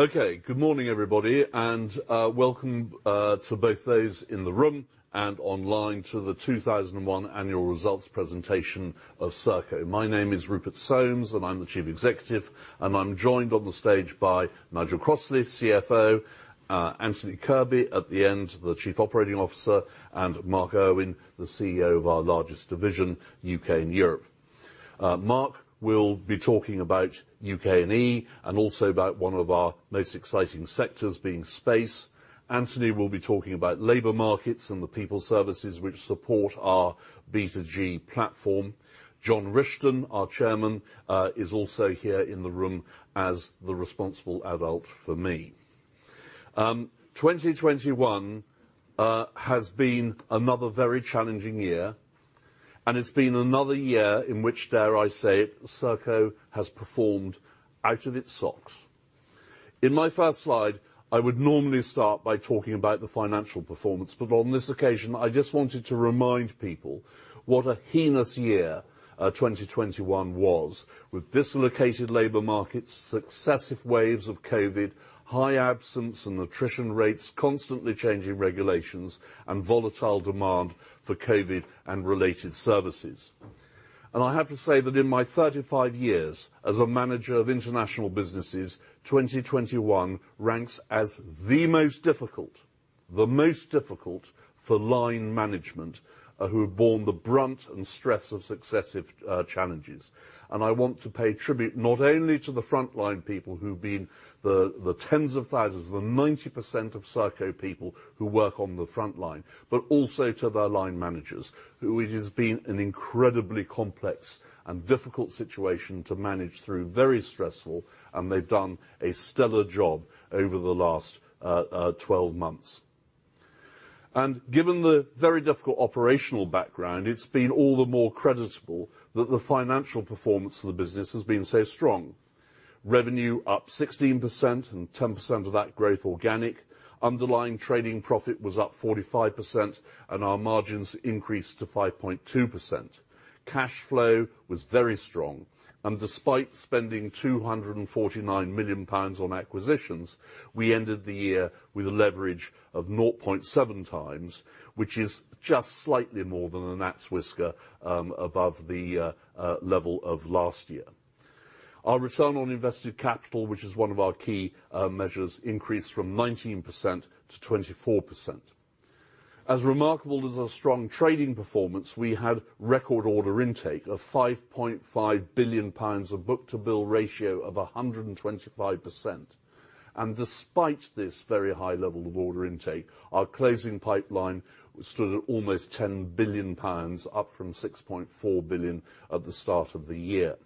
Okay. Good morning, everybody, and welcome to both those in the room and online to the 2021 Annual Results Presentation of Serco. My name is Rupert Soames, and I'm the Chief Executive, and I'm joined on the stage by Nigel Crossley, CFO, Anthony Kirby at the end, the Chief Operating Officer, and Mark Irwin, the CEO of our largest division, U.K. and Europe. Mark will be talking about U.K. and E, and also about one of our most exciting sectors being space. Anthony will be talking about labor markets and the people services which support our B2G platform. John Rishton, our chairman, is also here in the room as the responsible adult for me. 2021 has been another very challenging year, and it's been another year in which, dare I say, Serco has performed out of its socks. In my first slide, I would normally start by talking about the financial performance, but on this occasion, I just wanted to remind people what a heinous year, 2021 was. With dislocated labor markets, successive waves of COVID, high absence and attrition rates, constantly changing regulations, and volatile demand for COVID and related services. I have to say that in my 35 years as a manager of international businesses, 2021 ranks as the most difficult for line management, who have borne the brunt and stress of successive challenges. I want to pay tribute not only to the frontline people who've been the tens of thousands, the 90% of Serco people who work on the frontline, but also to their line managers, who it has been an incredibly complex and difficult situation to manage through, very stressful, and they've done a stellar job over the last 12 months. Given the very difficult operational background, it's been all the more creditable that the financial performance of the business has been so strong. Revenue up 16%, and 10% of that growth organic. Underlying Trading Profit was up 45%, and our margins increased to 5.2%. Cash flow was very strong, and despite spending 249 million pounds on acquisitions, we ended the year with a leverage of 0.7 times, which is just slightly more than a gnat's whisker above the level of last year. Our return on invested capital, which is one of our key measures, increased from 19% to 24%. As remarkable as our strong trading performance, we had record order intake of 5.5 billion pounds with a book-to-bill ratio of 125%. Despite this very high level of order intake, our closing pipeline stood at almost 10 billion pounds, up from 6.4 billion at the start of the year.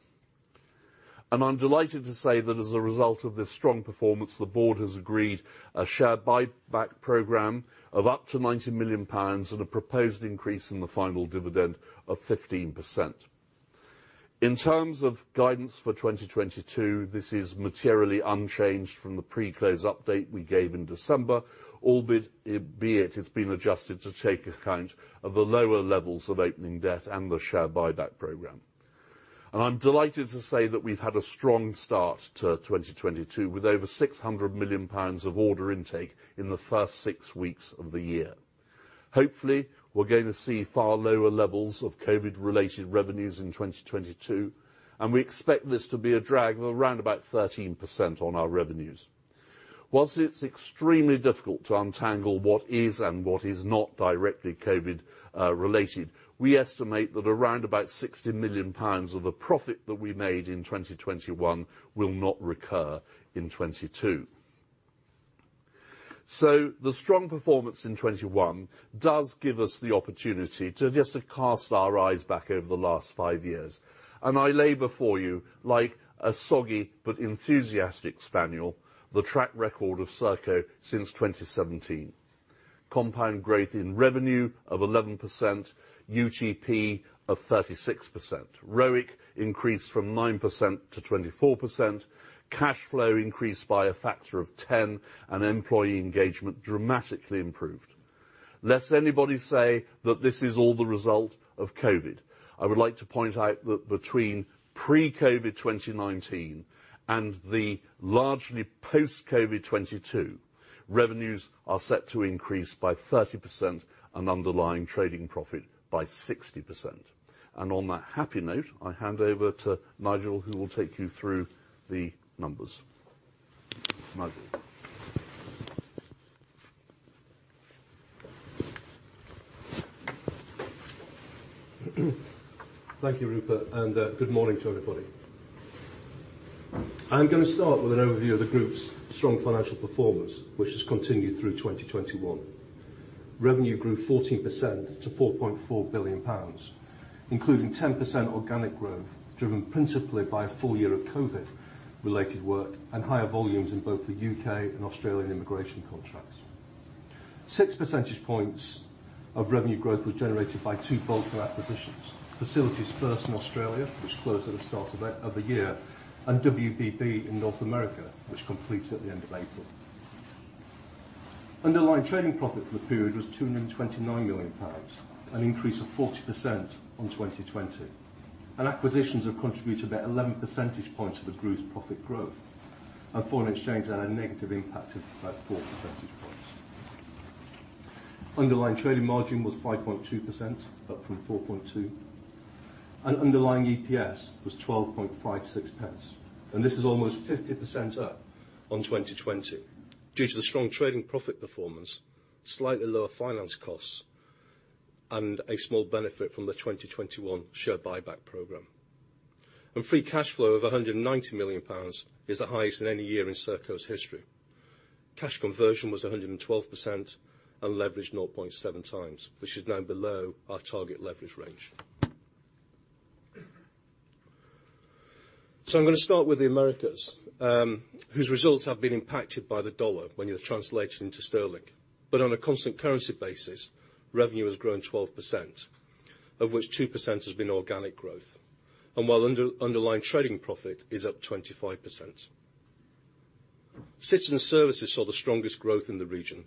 I'm delighted to say that as a result of this strong performance, the board has agreed a share buyback program of up to 90 million pounds and a proposed increase in the final dividend of 15%. In terms of guidance for 2022, this is materially unchanged from the pre-close update we gave in December, albeit it's been adjusted to take account of the lower levels of opening debt and the share buyback program. I'm delighted to say that we've had a strong start to 2022, with over 600 million pounds of order intake in the first six weeks of the year. Hopefully, we're going to see far lower levels of COVID-related revenues in 2022, and we expect this to be a drag of around about 13% on our revenues. While it's extremely difficult to untangle what is and what is not directly COVID related, we estimate that around about 60 million pounds of the profit that we made in 2021 will not recur in 2022. The strong performance in 2021 does give us the opportunity to just cast our eyes back over the last 5 years, and I lay before you, like a soggy but enthusiastic spaniel, the track record of Serco since 2017. Compound growth in revenue of 11%, UTP of 36%. ROIC increased from 9% to 24%. Cash flow increased by a factor of 10, and employee engagement dramatically improved. Lest anybody say that this is all the result of COVID, I would like to point out that between pre-COVID 2019 and the largely post-COVID 2022, revenues are set to increase by 30% and underlying trading profit by 60%. On that happy note, I hand over to Nigel, who will take you through the numbers. Nigel. Thank you, Rupert, and good morning to everybody. I'm gonna start with an overview of the group's strong financial performance, which has continued through 2021. Revenue grew 14% to 4.4 billion pounds, including 10% organic growth, driven principally by a full year of COVID-related work and higher volumes in both the UK and Australian immigration contracts. Six percentage points of revenue growth was generated by two big acquisitions, Facilities First in Australia, which closed at the start of the year, and WBB in North America, which completes at the end of April. Underlying trading profit for the period was GBP 229 million, an increase of 40% on 2020. Acquisitions have contributed about 11 percentage points to the group's profit growth, and foreign exchange had a negative impact of about 4 percentage points. Underlying trading margin was 5.2%, up from 4.2%, and underlying EPS was 12.56 pence. This is almost 50% up on 2020 due to the strong trading profit performance, slightly lower finance costs, and a small benefit from the 2021 share buyback program. Free cash flow of 190 million pounds is the highest in any year in Serco's history. Cash conversion was 112%, and leverage 0.7 times, which is now below our target leverage range. I'm gonna start with the Americas, whose results have been impacted by the dollar when you translate it into sterling. On a constant currency basis, revenue has grown 12%, of which 2% has been organic growth, and while underlying trading profit is up 25%. Citizen Services saw the strongest growth in the region,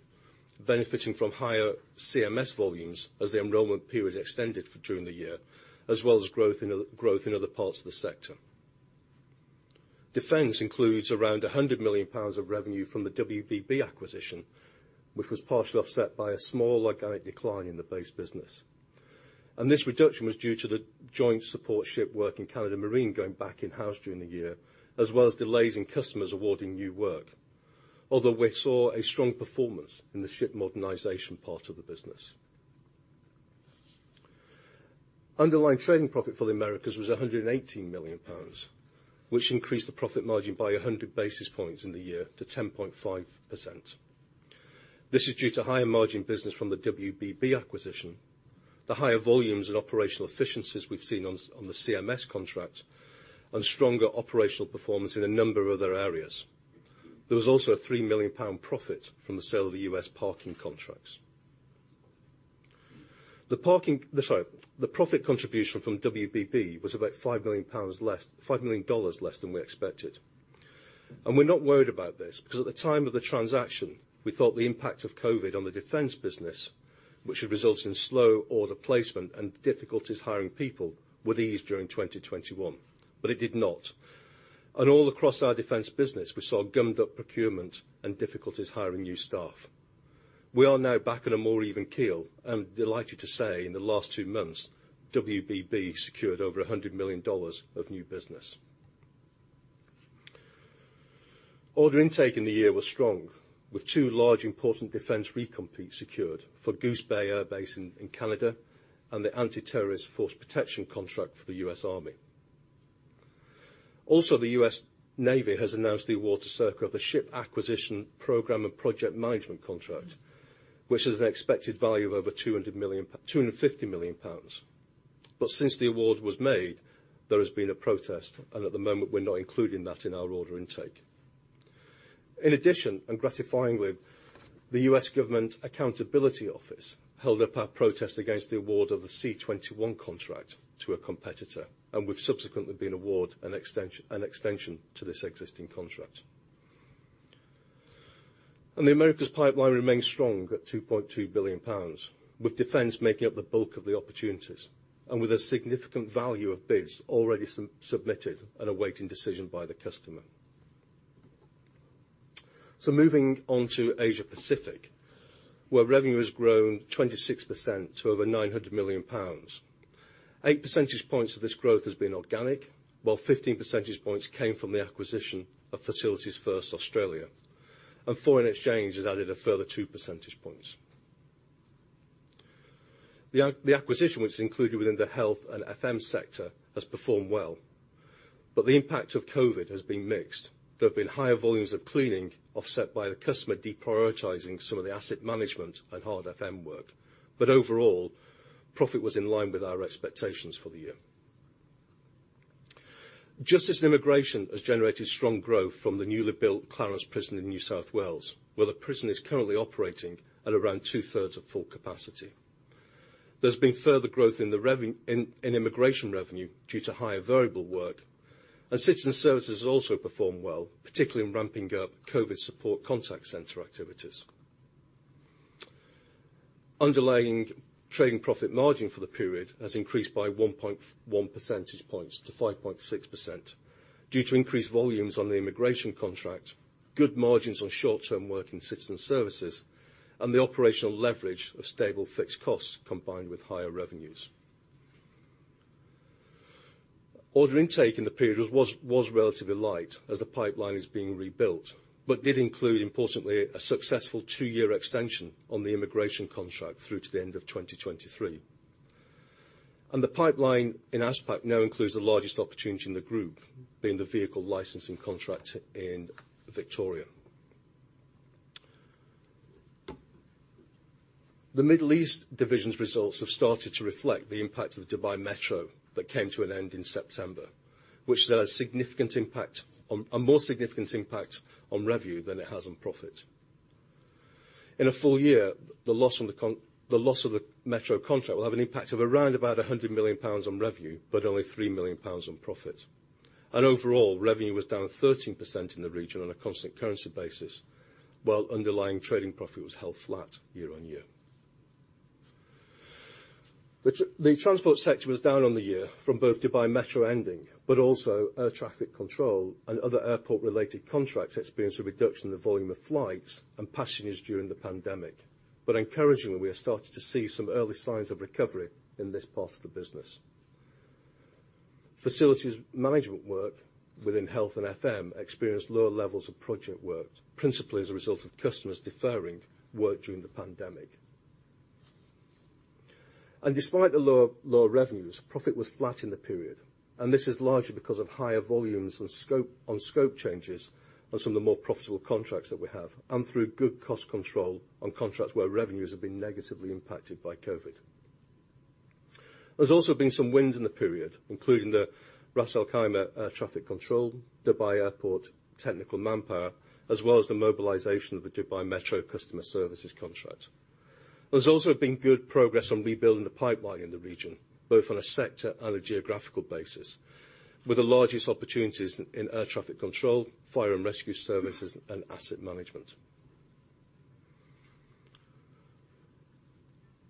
benefiting from higher CMS volumes as the enrollment period extended further during the year, as well as growth in other parts of the sector. Defense includes around 100 million pounds of revenue from the WBB acquisition, which was partially offset by a small organic decline in the base business. This reduction was due to the joint support ship work in Canada Marine going back in-house during the year, as well as delays in customers awarding new work. Although we saw a strong performance in the ship modernization part of the business. Underlying trading profit for the Americas was 118 million pounds, which increased the profit margin by 100 basis points in the year to 10.5%. This is due to higher margin business from the WBB acquisition, the higher volumes and operational efficiencies we've seen on the CMS contract, and stronger operational performance in a number of other areas. There was also a £3 million profit from the sale of the U.S. parking contracts. The profit contribution from WBB was about $5 million less than we expected. We're not worried about this, because at the time of the transaction, we thought the impact of COVID on the defense business, which had resulted in slow order placement and difficulties hiring people, would ease during 2021. It did not. All across our defense business, we saw gummed-up procurement and difficulties hiring new staff. We are now back on a more even keel, and delighted to say, in the last two months, WBB secured over $100 million of new business. Order intake in the year was strong, with two large important defense recompetes secured for Goose Bay Air Base in Canada and the Anti-Terrorism Force Protection contract for the U.S. Army. Also, the U.S. Navy has announced the award to Serco of the Shipbuilding Acquisition Program Management contract, which has an expected value of over 250 million pounds. Since the award was made, there has been a protest, and at the moment, we're not including that in our order intake. In addition, and gratifyingly, the U.S. Government Accountability Office held up our protest against the award of the C-21 contract to a competitor, and we've subsequently been awarded an extension to this existing contract. The Americas pipeline remains strong at 2.2 billion pounds, with defense making up the bulk of the opportunities, and with a significant value of bids already submitted and awaiting decision by the customer. Moving on to Asia Pacific, where revenue has grown 26% to over 900 million pounds. 8 percentage points of this growth has been organic, while 15 percentage points came from the acquisition of Facilities First Australia. Foreign exchange has added a further 2 percentage points. The acquisition, which is included within the health and FM sector, has performed well. The impact of COVID has been mixed. There have been higher volumes of cleaning offset by the customer deprioritizing some of the asset management and hard FM work. Overall, profit was in line with our expectations for the year. Justice and immigration has generated strong growth from the newly built Clarence Prison in New South Wales, where the prison is currently operating at around two-thirds of full capacity. There's been further growth in immigration revenue due to higher variable work. Citizen Services has also performed well, particularly in ramping up COVID support contact center activities. Underlying trading profit margin for the period has increased by one percentage points to 5.6% due to increased volumes on the immigration contract, good margins on short-term work in Citizen Services, and the operational leverage of stable fixed costs combined with higher revenues. Order intake in the period was relatively light as the pipeline is being rebuilt, but did include, importantly, a successful 2-year extension on the immigration contract through to the end of 2023. The pipeline in ASPAC now includes the largest opportunity in the group, being the vehicle licensing contract in Victoria. The Middle East division's results have started to reflect the impact of the Dubai Metro that came to an end in September, which had a more significant impact on revenue than it has on profit. In a full year, the loss of the Metro contract will have an impact of around about 100 million pounds on revenue, but only 3 million pounds on profit. Overall, revenue was down 13% in the region on a constant currency basis, while underlying trading profit was held flat year-on-year. The transport sector was down on the year from both Dubai Metro ending, but also air traffic control and other airport-related contracts experienced a reduction in the volume of flights and passengers during the pandemic. Encouragingly, we are starting to see some early signs of recovery in this part of the business. Facilities management work within health and FM experienced lower levels of project work, principally as a result of customers deferring work during the pandemic. Despite the lower revenues, profit was flat in the period, and this is largely because of higher volumes and scope on scope changes on some of the more profitable contracts that we have, and through good cost control on contracts where revenues have been negatively impacted by COVID. There's also been some wins in the period, including the Ras Al Khaimah air traffic control, Dubai Airport technical manpower, as well as the mobilization of the Dubai Metro customer services contract. There's also been good progress on rebuilding the pipeline in the region, both on a sector and a geographical basis, with the largest opportunities in air traffic control, fire and rescue services, and asset management.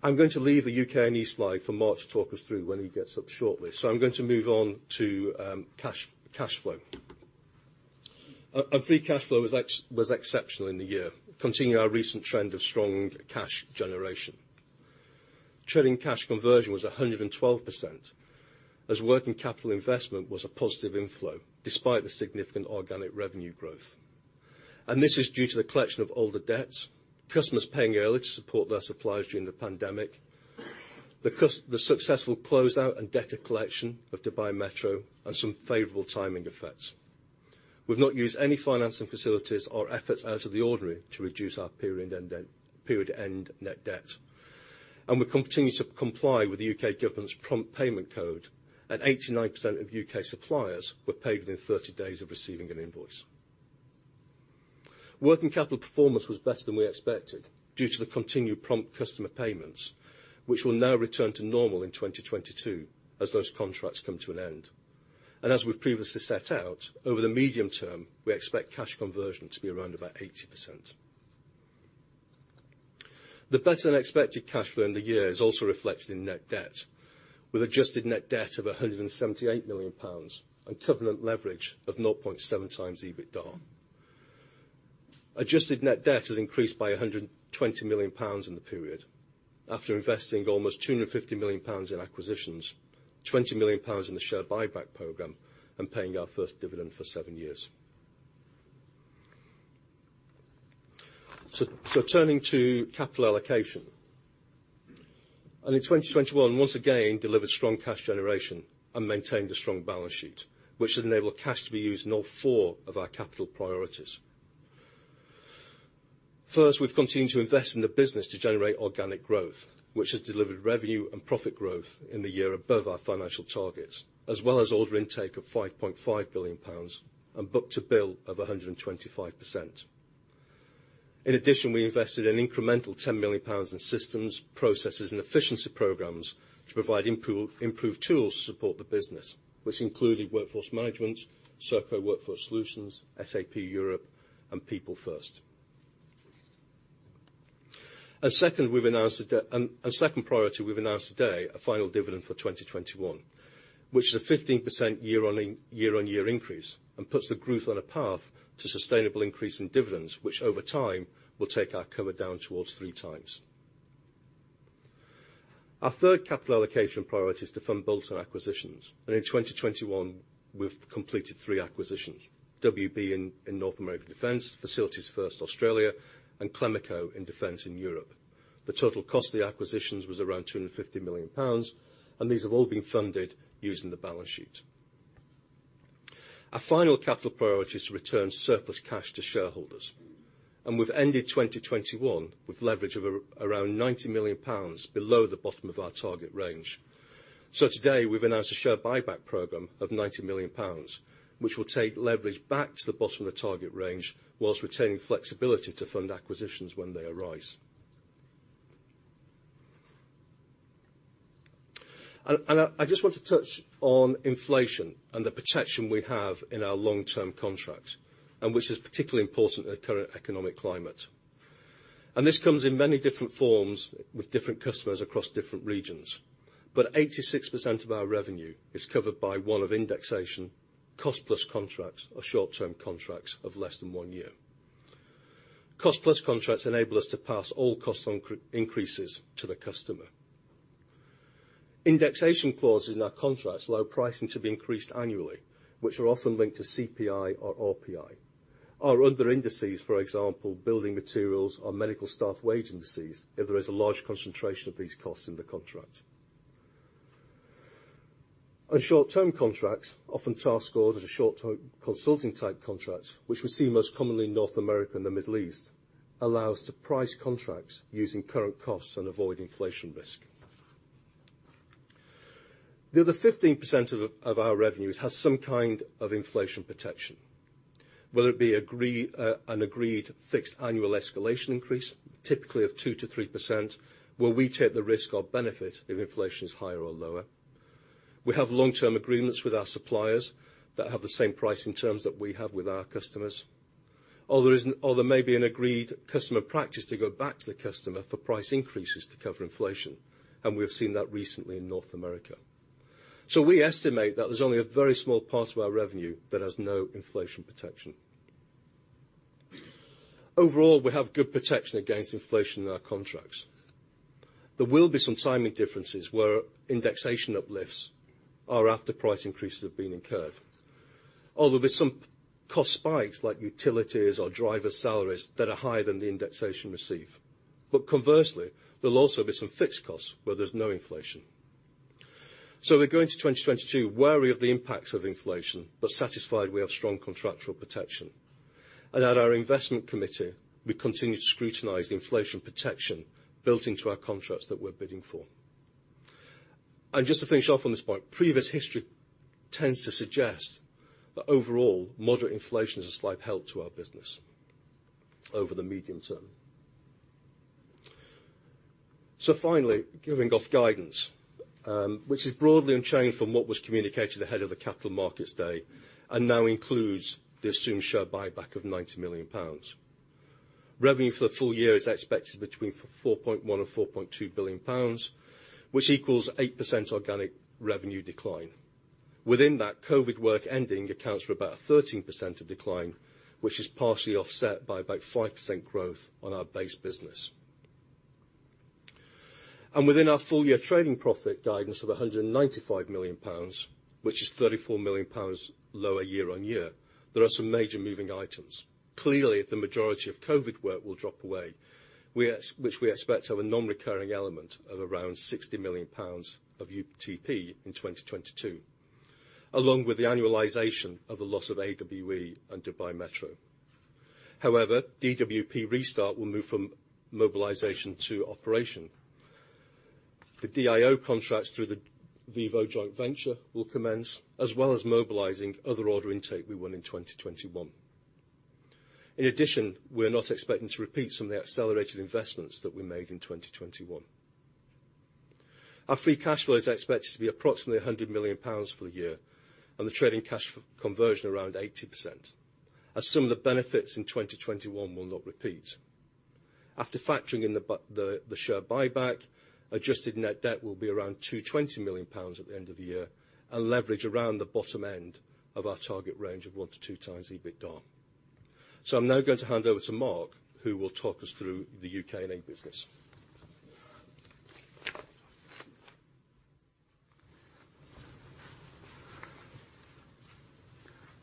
I'm going to leave the UK and Europe slide for Mark to talk us through when he gets up shortly, so I'm going to move on to cash flow. Free cash flow was exceptional in the year, continuing our recent trend of strong cash generation. Trading cash conversion was 112% as working capital investment was a positive inflow, despite the significant organic revenue growth. This is due to the collection of older debts, customers paying early to support their suppliers during the pandemic, the successful closeout and debtor collection of Dubai Metro, and some favorable timing effects. We've not used any financing facilities or efforts out of the ordinary to reduce our period end debt, period-end net debt. We continue to comply with the U.K. government's Prompt Payment Code, and 89% of U.K. suppliers were paid within 30 days of receiving an invoice. Working capital performance was better than we expected due to the continued prompt customer payments, which will now return to normal in 2022 as those contracts come to an end. As we've previously set out, over the medium term, we expect cash conversion to be around about 80%. The better-than-expected cash flow in the year is also reflected in net debt, with adjusted net debt of 178 million pounds and covenant leverage of 0.7x EBITDA. Adjusted net debt has increased by 120 million pounds in the period, after investing almost 250 million pounds in acquisitions, 20 million pounds in the share buyback program, and paying our first dividend for seven years. Turning to capital allocation. In 2021, we once again delivered strong cash generation and maintained a strong balance sheet, which has enabled cash to be used in all four of our capital priorities. First, we've continued to invest in the business to generate organic growth, which has delivered revenue and profit growth in the year above our financial targets, as well as order intake of 5.5 billion pounds and book-to-bill of 125%. In addition, we invested an incremental 10 million pounds in systems, processes, and efficiency programs to provide improved tools to support the business, which included Workforce Management, Serco Workforce Solutions, SAP Europe, and People First. Second priority, we've announced today a final dividend for 2021, which is a 15% year-on-year increase and puts the group on a path to sustainable increase in dividends, which over time will take our cover down towards 3 times. Our third capital allocation priority is to fund bolt-on acquisitions, and in 2021, we've completed 3 acquisitions, WBB in North American defense, Facilities First Australia, and Clémaco in defense in Europe. The total cost of the acquisitions was around 250 million pounds, and these have all been funded using the balance sheet. Our final capital priority is to return surplus cash to shareholders, and we've ended 2021 with leverage of around 90 million pounds below the bottom of our target range. Today, we've announced a share buyback program of GBP 90 million, which will take leverage back to the bottom of the target range while retaining flexibility to fund acquisitions when they arise. I just want to touch on inflation and the protection we have in our long-term contracts, and which is particularly important in the current economic climate. This comes in many different forms with different customers across different regions, but 86% of our revenue is covered by one of indexation, cost-plus contracts or short-term contracts of less than one year. Cost-plus contracts enable us to pass all cost increases to the customer. Indexation clauses in our contracts allow pricing to be increased annually, which are often linked to CPI or RPI, our other indices, for example, building materials or medical staff wage indices, if there is a large concentration of these costs in the contract. Short-term contracts, often task orders or short-term consulting type contracts, which we see most commonly in North America and the Middle East, allow us to price contracts using current costs and avoid inflation risk. The other 15% of our revenues has some kind of inflation protection. Whether it be an agreed fixed annual escalation increase, typically of 2%-3%, where we take the risk or benefit if inflation is higher or lower. We have long-term agreements with our suppliers that have the same pricing terms that we have with our customers. There may be an agreed customer practice to go back to the customer for price increases to cover inflation, and we have seen that recently in North America. We estimate that there's only a very small part of our revenue that has no inflation protection. Overall, we have good protection against inflation in our contracts. There will be some timing differences where indexation uplifts are after price increases have been incurred, or there'll be some cost spikes like utilities or driver's salaries that are higher than the indexation received. Conversely, there'll also be some fixed costs where there's no inflation. We go into 2022 wary of the impacts of inflation, but satisfied we have strong contractual protection. At our investment committee, we continue to scrutinize the inflation protection built into our contracts that we're bidding for. Just to finish off on this point, previous history tends to suggest that overall, moderate inflation is a slight help to our business over the medium term. Finally, giving off guidance, which is broadly unchanged from what was communicated ahead of the Capital Markets Day and now includes the assumed share buyback of 90 million pounds. Revenue for the full year is expected between 4.1 billion and 4.2 billion pounds, which equals 8% organic revenue decline. Within that, COVID work ending accounts for about a 13% of decline, which is partially offset by about 5% growth on our base business. Within our full year trading profit guidance of 195 million pounds, which is 34 million pounds lower year-on-year, there are some major moving items. Clearly, the majority of COVID work will drop away, which we expect to have a non-recurring element of around 60 million pounds of UTP in 2022, along with the annualization of the loss of AWE and Dubai Metro. However, DWP restart will move from mobilization to operation. The DIO contracts through the VIVO joint venture will commence, as well as mobilizing other order intake we won in 2021. In addition, we're not expecting to repeat some of the accelerated investments that we made in 2021. Our free cash flow is expected to be approximately 100 million pounds for the year, and the trading cash conversion around 80%, as some of the benefits in 2021 will not repeat. After factoring in the share buyback, adjusted net debt will be around 220 million pounds at the end of the year, and leverage around the bottom end of our target range of 1-2x EBITDA. I'm now going to hand over to Mark, who will talk us through the UK and Europe business.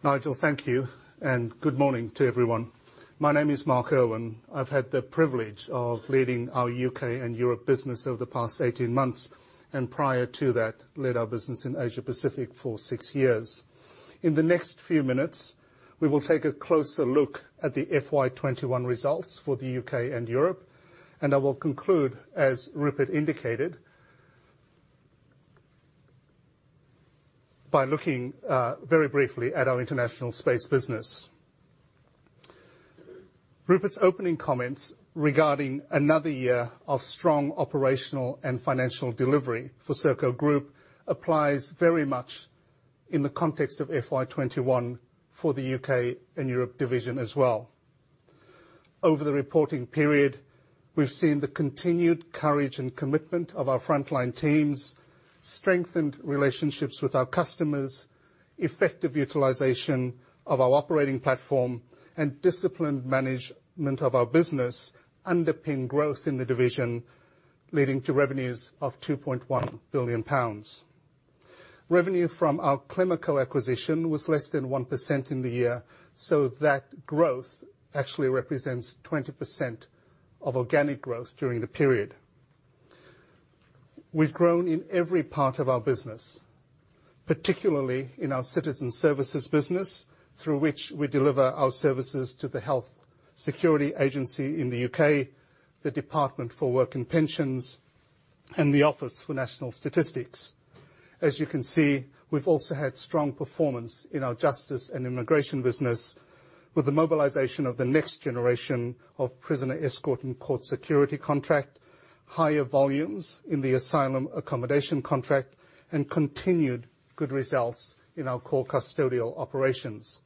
Nigel, thank you, and good morning to everyone. My name is Mark Irwin. I've had the privilege of leading our UK and Europe business over the past 18 months, and prior to that, led our business in Asia-Pacific for 6 years. In the next few minutes, we will take a closer look at the FY 2021 results for the UK and Europe, and I will conclude, as Rupert indicated, by looking very briefly at our international space business. Rupert's opening comments regarding another year of strong operational and financial delivery for Serco Group applies very much in the context of FY 2021 for the UK and Europe division as well. Over the reporting period, we've seen the continued courage and commitment of our frontline teams, strengthened relationships with our customers, effective utilization of our operating platform, and disciplined management of our business underpin growth in the division, leading to revenues of 2.1 billion pounds. Revenue from our Clemaco acquisition was less than 1% in the year, so that growth actually represents 20% of organic growth during the period. We've grown in every part of our business, particularly in our citizen services business, through which we deliver our services to the UK Health Security Agency, the Department for Work and Pensions, and the Office for National Statistics. As you can see, we've also had strong performance in our justice and immigration business with the mobilization of the next generation of the Prisoner Escort and Court Security contract, higher volumes in the asylum accommodation contract, and continued good results in our core custodial operations.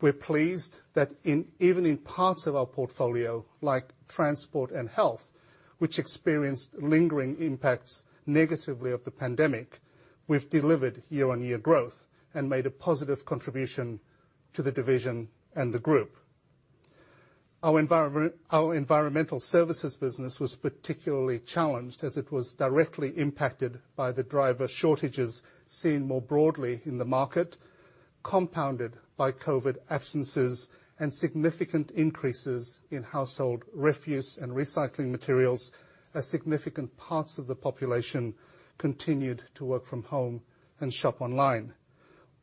We're pleased that even in parts of our portfolio, like transport and health, which experienced lingering negative impacts of the pandemic, we've delivered year-on-year growth and made a positive contribution to the division and the group. Our environmental services business was particularly challenged as it was directly impacted by the driver shortages seen more broadly in the market, compounded by COVID absences and significant increases in household refuse and recycling materials as significant parts of the population continued to work from home and shop online.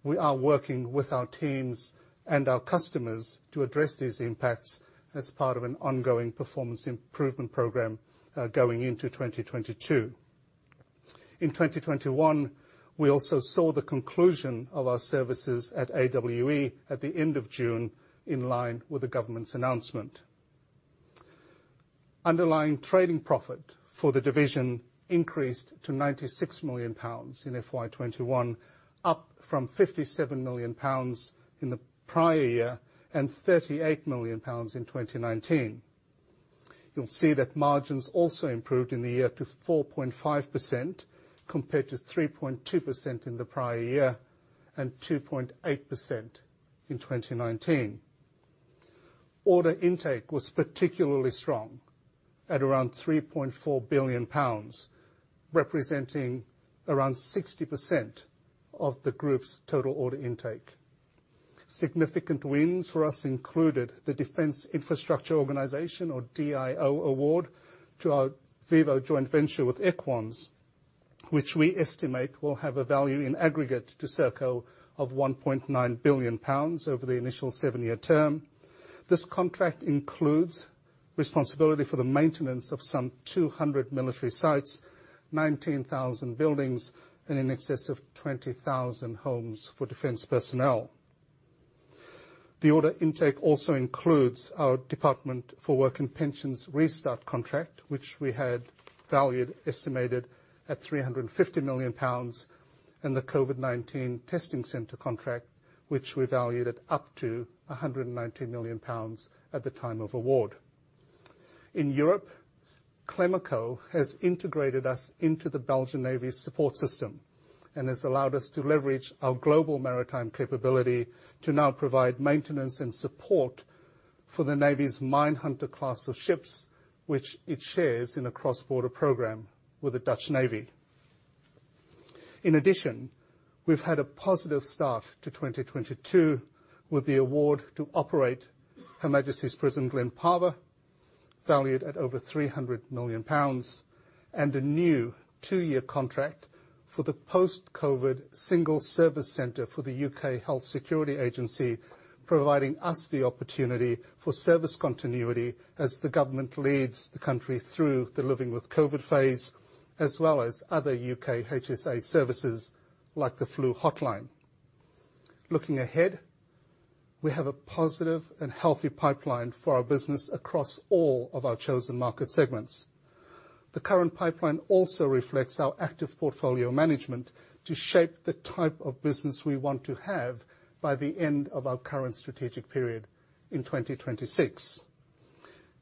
We are working with our teams and our customers to address these impacts as part of an ongoing performance improvement program going into 2022. In 2021, we also saw the conclusion of our services at AWE at the end of June, in line with the government's announcement. Underlying trading profit for the division increased to 96 million pounds in FY 2021, up from 57 million pounds in the prior year and 38 million pounds in 2019. You'll see that margins also improved in the year to 4.5% compared to 3.2% in the prior year and 2.8% in 2019. Order intake was particularly strong at around 3.4 billion pounds, representing around 60% of the group's total order intake. Significant wins for us included the Defence Infrastructure Organisation, or DIO, award to our VIVO joint venture with Equans, which we estimate will have a value in aggregate to Serco of 1.9 billion pounds over the initial 7-year term. This contract includes responsibility for the maintenance of some 200 military sites, 19,000 buildings, and in excess of 20,000 homes for defence personnel. The order intake also includes our Department for Work and Pensions Restart contract, which we estimated at 350 million pounds, and the COVID-19 testing center contract, which we valued at up to GBP 119 million at the time of award. In Europe, Clémaco has integrated us into the Belgian Navy support system and has allowed us to leverage our global maritime capability to now provide maintenance and support for the Navy's mine hunter class of ships, which it shares in a cross-border program with the Dutch Navy. In addition, we've had a positive start to 2022 with the award to operate Her Majesty's Prison Glen Parva, valued at over 300 million pounds, and a new two-year contract for the post-COVID Single Service Center for the UK Health Security Agency, providing us the opportunity for service continuity as the government leads the country through the living with COVID phase, as well as other UK HSA services like the Flu Hotline. Looking ahead, we have a positive and healthy pipeline for our business across all of our chosen market segments. The current pipeline also reflects our active portfolio management to shape the type of business we want to have by the end of our current strategic period in 2026.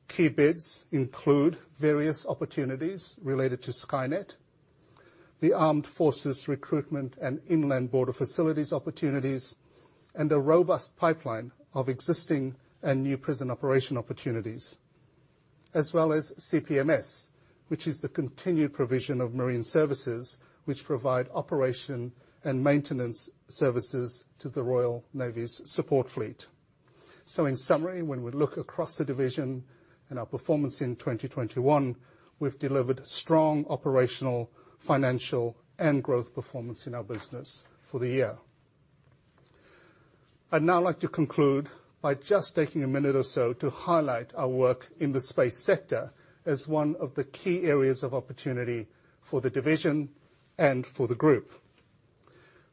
Key bids include various opportunities related to Skynet, the Armed Forces Recruitment and Inland Border Facilities opportunities, and a robust pipeline of existing and new prison operation opportunities, as well as CPMS, which is the continued provision of marine services which provide operation and maintenance services to the Royal Navy's support fleet. In summary, when we look across the division and our performance in 2021, we've delivered strong operational, financial and growth performance in our business for the year. I'd now like to conclude by just taking a minute or so to highlight our work in the space sector as one of the key areas of opportunity for the division and for the Group.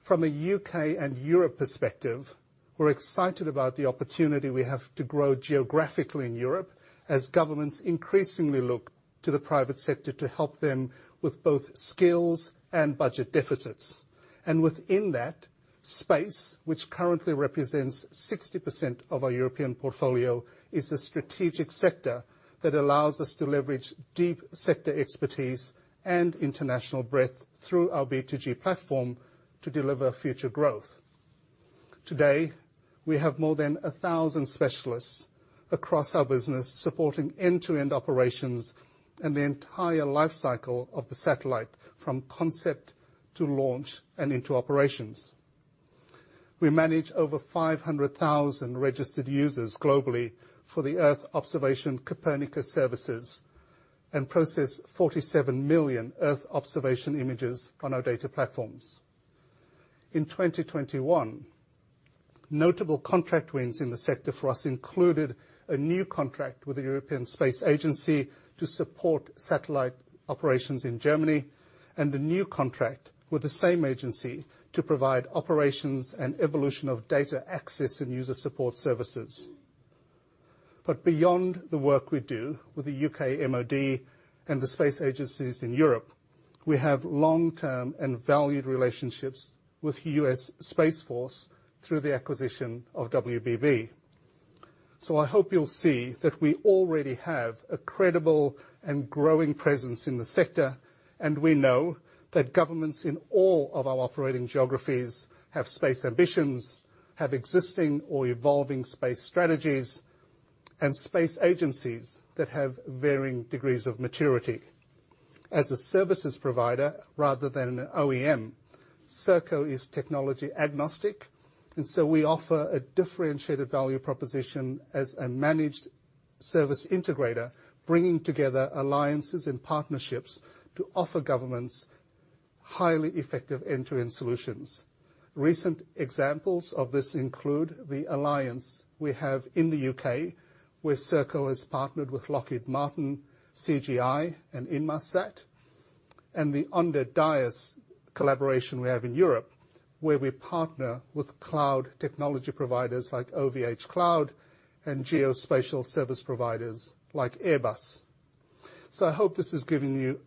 From a UK and Europe perspective, we're excited about the opportunity we have to grow geographically in Europe as governments increasingly look to the private sector to help them with both skills and budget deficits. Within that space, which currently represents 60% of our European portfolio, is a strategic sector that allows us to leverage deep sector expertise and international breadth through our B2G platform to deliver future growth. Today, we have more than 1,000 specialists across our business supporting end-to-end operations and the entire life cycle of the satellite from concept to launch and into operations. We manage over 500,000 registered users globally for the Earth Observation Copernicus services and process 47 million Earth Observation images on our data platforms. In 2021, notable contract wins in the sector for us included a new contract with the European Space Agency to support satellite operations in Germany and a new contract with the same agency to provide operations and evolution of data access and user support services. Beyond the work we do with the U.K. MOD and the space agencies in Europe, we have long-term and valued relationships with U.S. Space Force through the acquisition of WBB. I hope you'll see that we already have a credible and growing presence in the sector, and we know that governments in all of our operating geographies have space ambitions, have existing or evolving space strategies and space agencies that have varying degrees of maturity. As a services provider rather than an OEM, Serco is technology agnostic, and so we offer a differentiated value proposition as a managed service integrator, bringing together alliances and partnerships to offer governments highly effective end-to-end solutions. Recent examples of this include the alliance we have in the U.K., where Serco has partnered with Lockheed Martin, CGI, and Inmarsat. The ONDA DIAS collaboration we have in Europe, where we partner with cloud technology providers like OVHcloud and geospatial service providers like Airbus. I hope this has given you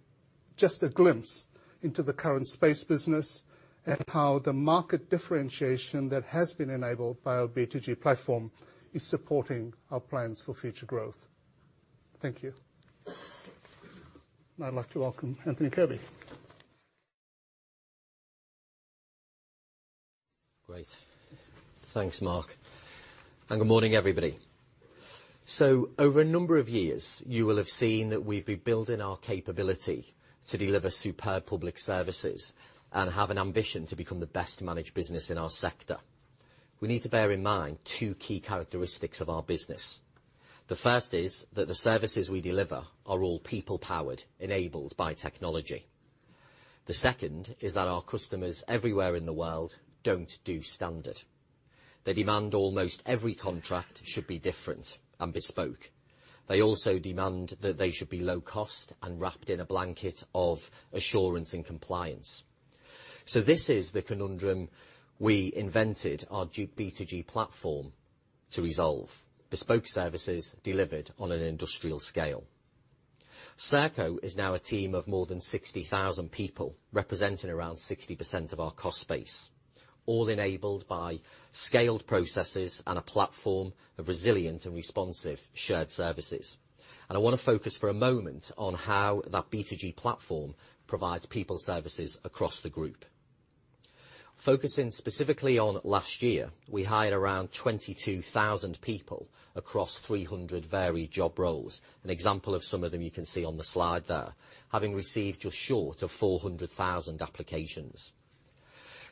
just a glimpse into the current space business and how the market differentiation that has been enabled by our B2G platform is supporting our plans for future growth. Thank you. I'd like to welcome Anthony Kirby. Great. Thanks, Mark. Good morning, everybody. Over a number of years, you will have seen that we've been building our capability to deliver superb public services and have an ambition to become the best managed business in our sector. We need to bear in mind two key characteristics of our business. The first is that the services we deliver are all people-powered, enabled by technology. The second is that our customers everywhere in the world don't do standard. They demand almost every contract should be different and bespoke. They also demand that they should be low cost and wrapped in a blanket of assurance and compliance. This is the conundrum we invented our B2G platform to resolve, bespoke services delivered on an industrial scale. Serco is now a team of more than 60,000 people, representing around 60% of our cost base, all enabled by scaled processes and a platform of resilient and responsive shared services. I wanna focus for a moment on how that B2G platform provides people services across the group. Focusing specifically on last year, we hired around 22,000 people across 300 varied job roles. An example of some of them you can see on the slide there, having received just short of 400,000 applications.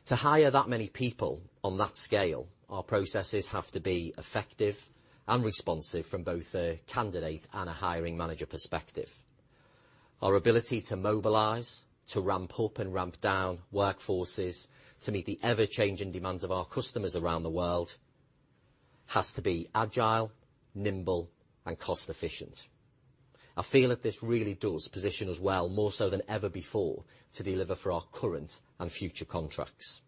To hire that many people on that scale, our processes have to be effective and responsive from both a candidate and a hiring manager perspective. Our ability to mobilize, to ramp up and ramp down workforces, to meet the ever-changing demands of our customers around the world, has to be agile, nimble, and cost efficient. I feel that this really does position us well, more so than ever before, to deliver for our current and future contracts.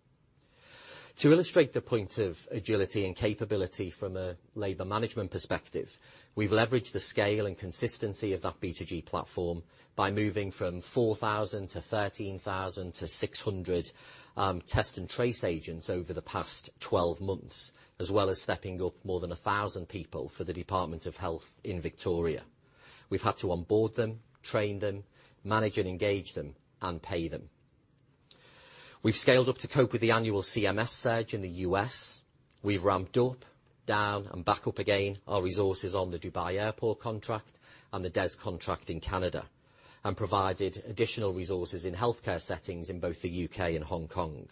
To illustrate the point of agility and capability from a labor management perspective, we've leveraged the scale and consistency of that B2G platform by moving from 4,000 to 13,000 to 600 test and trace agents over the past 12 months, as well as stepping up more than 1,000 people for the Department of Health in Victoria. We've had to onboard them, train them, manage and engage them, and pay them. We've scaled up to cope with the annual CMS surge in the U.S. We've ramped up, down, and back up again our resources on the Dubai Airport contract and the DES contract in Canada, and provided additional resources in healthcare settings in both the U.K. and Hong Kong.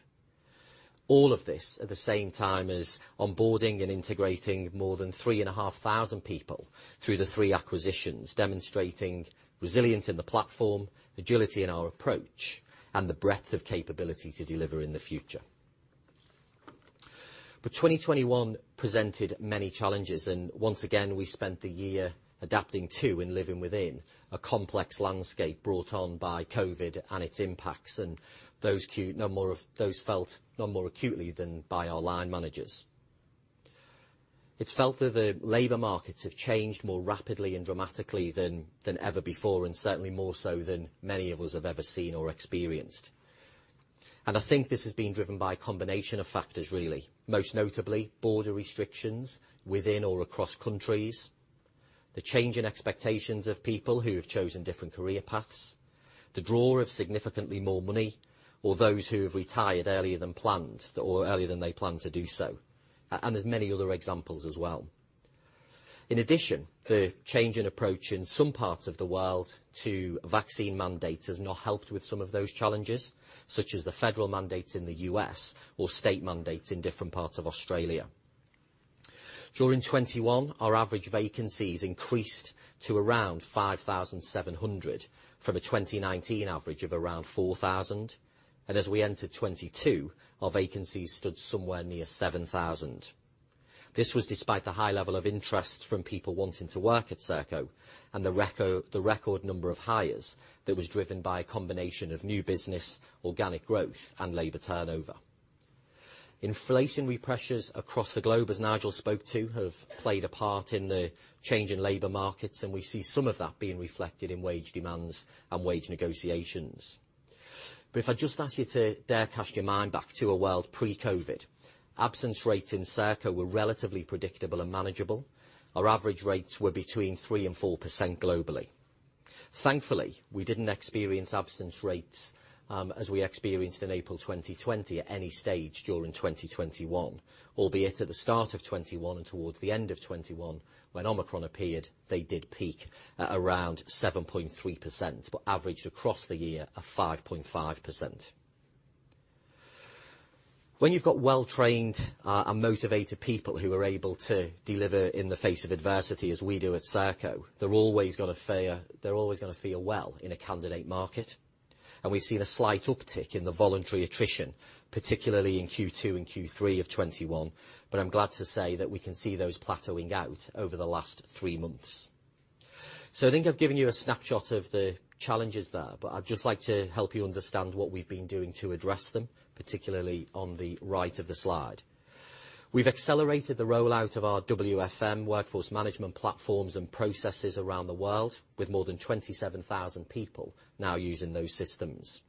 All of this at the same time as onboarding and integrating more than 3,500 people through the three acquisitions, demonstrating resilience in the platform, agility in our approach, and the breadth of capability to deliver in the future. 2021 presented many challenges, and once again, we spent the year adapting to and living within a complex landscape brought on by COVID and its impacts, and those felt no more acutely than by our line managers. It's felt that the labor markets have changed more rapidly and dramatically than ever before, and certainly more so than many of us have ever seen or experienced. I think this is being driven by a combination of factors, really. Most notably, border restrictions within or across countries, the change in expectations of people who have chosen different career paths, the draw of significantly more money, or those who have retired earlier than planned or earlier than they planned to do so, and there's many other examples as well. In addition, the change in approach in some parts of the world to vaccine mandates has not helped with some of those challenges, such as the federal mandates in the U.S. or state mandates in different parts of Australia. During 2021, our average vacancies increased to around 5,700 from a 2019 average of around 4,000. As we entered 2022, our vacancies stood somewhere near 7,000. This was despite the high level of interest from people wanting to work at Serco and the record number of hires that was driven by a combination of new business, organic growth, and labor turnover. Inflationary pressures across the globe, as Nigel spoke to, have played a part in the change in labor markets, and we see some of that being reflected in wage demands and wage negotiations. If I just ask you to dare cast your mind back to a world pre-COVID, absence rates in Serco were relatively predictable and manageable. Our average rates were between 3%-4% globally. Thankfully, we didn't experience absence rates as we experienced in April 2020 at any stage during 2021. Albeit at the start of 2021 and towards the end of 2021, when Omicron appeared, they did peak at around 7.3%, but averaged across the year of 5.5%. When you've got well-trained and motivated people who are able to deliver in the face of adversity, as we do at Serco, they're always gonna feel well in a candidate market. We've seen a slight uptick in the voluntary attrition, particularly in Q2 and Q3 of 2021. I'm glad to say that we can see those plateauing out over the last three months. I think I've given you a snapshot of the challenges there, but I'd just like to help you understand what we've been doing to address them, particularly on the right of the slide. We've accelerated the rollout of our WFM, workforce management, platforms and processes around the world, with more than 27,000 people now using those systems.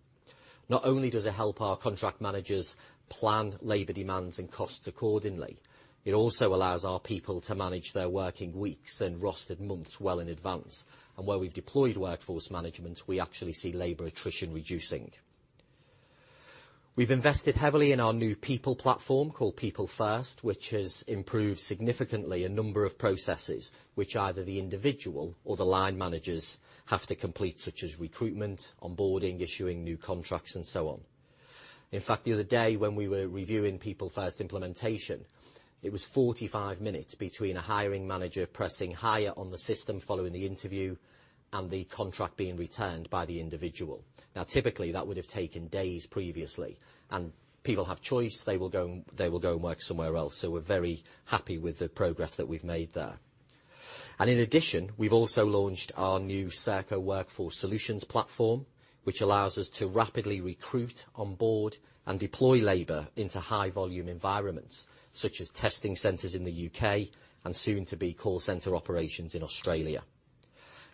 Not only does it help our contract managers plan labor demands and costs accordingly, it also allows our people to manage their working weeks and rostered months well in advance. Where we've deployed workforce management, we actually see labor attrition reducing. We've invested heavily in our new people platform, called People First, which has improved significantly a number of processes which either the individual or the line managers have to complete, such as recruitment, onboarding, issuing new contracts, and so on. In fact, the other day when we were reviewing People First implementation, it was 45 minutes between a hiring manager pressing hire on the system following the interview and the contract being returned by the individual. Now, typically, that would have taken days previously. People have choice, they will go and work somewhere else. We're very happy with the progress that we've made there. In addition, we've also launched our new Serco Workforce Solutions platform, which allows us to rapidly recruit, onboard, and deploy labor into high-volume environments, such as testing centers in the U.K. and soon-to-be call center operations in Australia.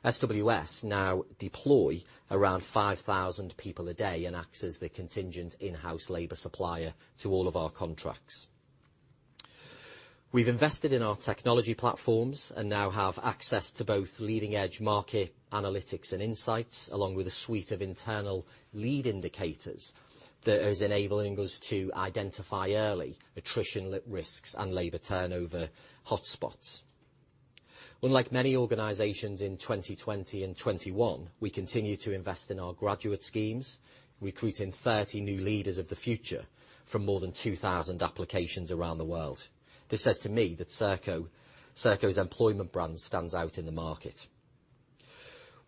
SWS now deploy around 5,000 people a day and acts as the contingent in-house labor supplier to all of our contracts. We've invested in our technology platforms and now have access to both leading-edge market analytics and insights, along with a suite of internal lead indicators that is enabling us to identify early attrition risks and labor turnover hotspots. Unlike many organizations in 2020 and 2021, we continue to invest in our graduate schemes, recruiting 30 new leaders of the future from more than 2,000 applications around the world. This says to me that Serco's employment brand stands out in the market.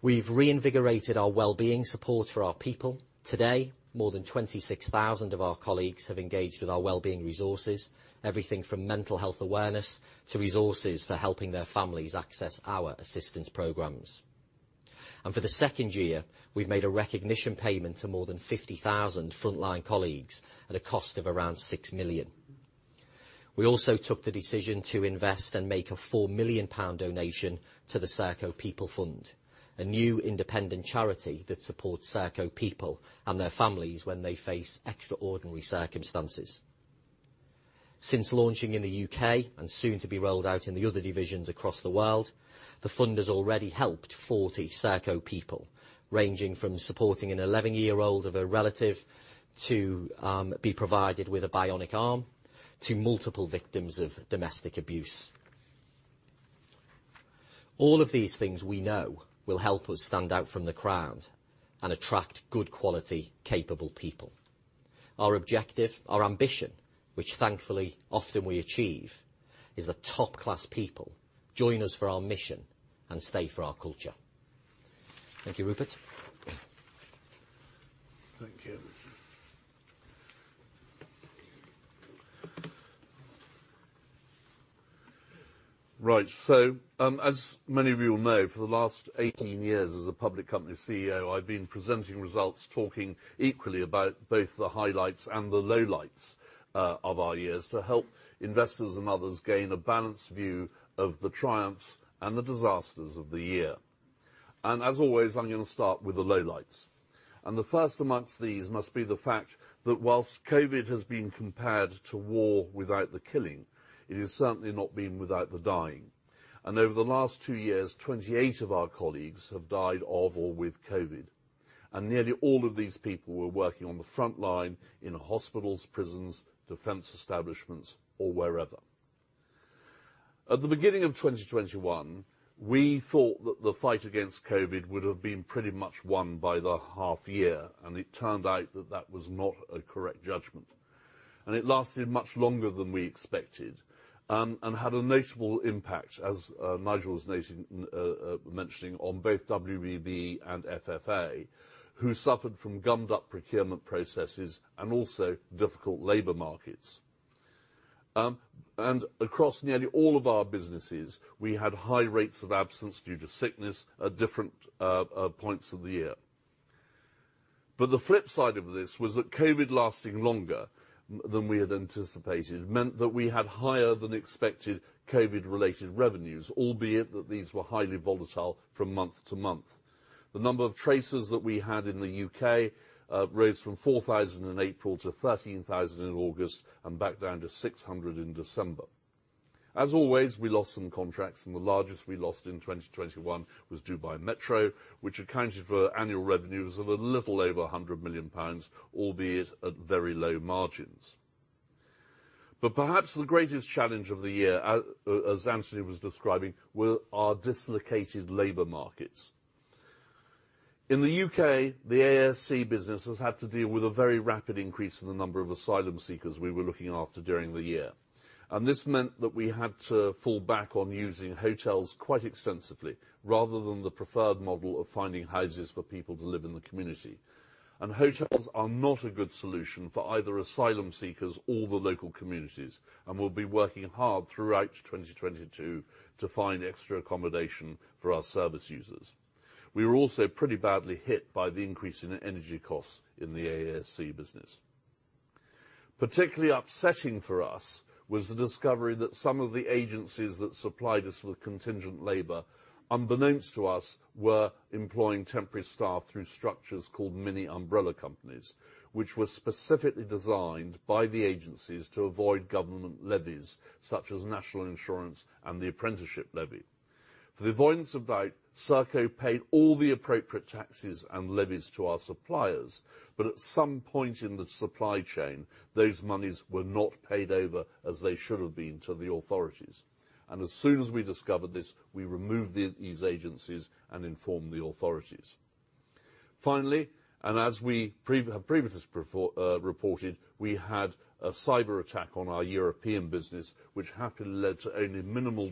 We've reinvigorated our well-being support for our people. Today, more than 26,000 of our colleagues have engaged with our well-being resources, everything from mental health awareness to resources for helping their families access our assistance programs. For the second year, we've made a recognition payment to more than 50,000 frontline colleagues at a cost of around GBP 6 million. We also took the decision to invest and make a GBP 4 million donation to the Serco People Fund, a new independent charity that supports Serco people and their families when they face extraordinary circumstances. Since launching in the UK, and soon to be rolled out in the other divisions across the world, the fund has already helped 40 Serco people, ranging from supporting an 11-year-old of a relative to be provided with a bionic arm, to multiple victims of domestic abuse. All of these things we know will help us stand out from the crowd and attract good-quality, capable people. Our objective, our ambition, which thankfully often we achieve, is that top-class people join us for our mission and stay for our culture. Thank you, Rupert. Thank you. Right. As many of you know, for the last 18 years as a public company CEO, I've been presenting results, talking equally about both the highlights and the lowlights of our years to help investors and others gain a balanced view of the triumphs and the disasters of the year. As always, I'm gonna start with the lowlights. The first amongst these must be the fact that while COVID has been compared to war without the killing, it has certainly not been without the dying. Over the last 2 years, 28 of our colleagues have died of or with COVID. Nearly all of these people were working on the front line in hospitals, prisons, defense establishments, or wherever. At the beginning of 2021, we thought that the fight against COVID would have been pretty much won by the half year, and it turned out that was not a correct judgment. It lasted much longer than we expected, and had a notable impact, as Nigel was noting, mentioning, on both WBB and FFA, who suffered from gummed-up procurement processes and also difficult labor markets. Across nearly all of our businesses, we had high rates of absence due to sickness at different points of the year. The flip side of this was that COVID lasting longer than we had anticipated meant that we had higher-than-expected COVID-related revenues, albeit that these were highly volatile from month to month. The number of tracers that we had in the U.K. rose from 4,000 in April to 13,000 in August and back down to 600 in December. As always, we lost some contracts, and the largest we lost in 2021 was Dubai Metro, which accounted for annual revenues of a little over 100 million pounds, albeit at very low margins. Perhaps the greatest challenge of the year, as Anthony was describing, were our dislocated labor markets. In the U.K., the ASC business has had to deal with a very rapid increase in the number of asylum seekers we were looking after during the year. This meant that we had to fall back on using hotels quite extensively, rather than the preferred model of finding houses for people to live in the community. Hotels are not a good solution for either asylum seekers or the local communities, and we'll be working hard throughout 2022 to find extra accommodation for our service users. We were also pretty badly hit by the increase in energy costs in the ASC business. Particularly upsetting for us was the discovery that some of the agencies that supplied us with contingent labor, unbeknownst to us, were employing temporary staff through structures called mini umbrella companies, which were specifically designed by the agencies to avoid government levies, such as National Insurance and the Apprenticeship Levy. For the avoidance of doubt, Serco paid all the appropriate taxes and levies to our suppliers, but at some point in the supply chain, those monies were not paid over as they should have been to the authorities. As soon as we discovered this, we removed these agencies and informed the authorities. Finally, as we previously reported, we had a cyberattack on our European business, which happily led to only minimal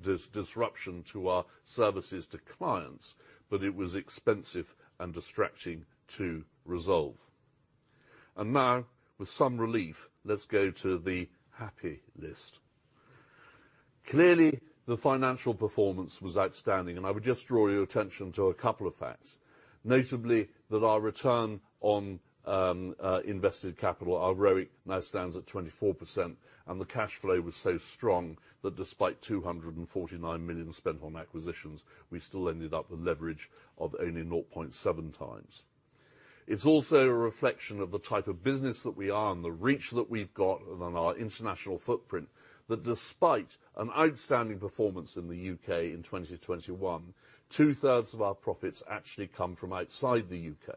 disruption to our services to clients, but it was expensive and distracting to resolve. Now with some relief, let's go to the happy list. Clearly, the financial performance was outstanding, and I would just draw your attention to a couple of facts. Notably, our return on invested capital, our ROIC, now stands at 24%, and the cash flow was so strong that despite 249 million spent on acquisitions, we still ended up with leverage of only 0.7 times. It's also a reflection of the type of business that we are and the reach that we've got and then our international footprint that despite an outstanding performance in the U.K. in 2021, two-thirds of our profits actually come from outside the U.K.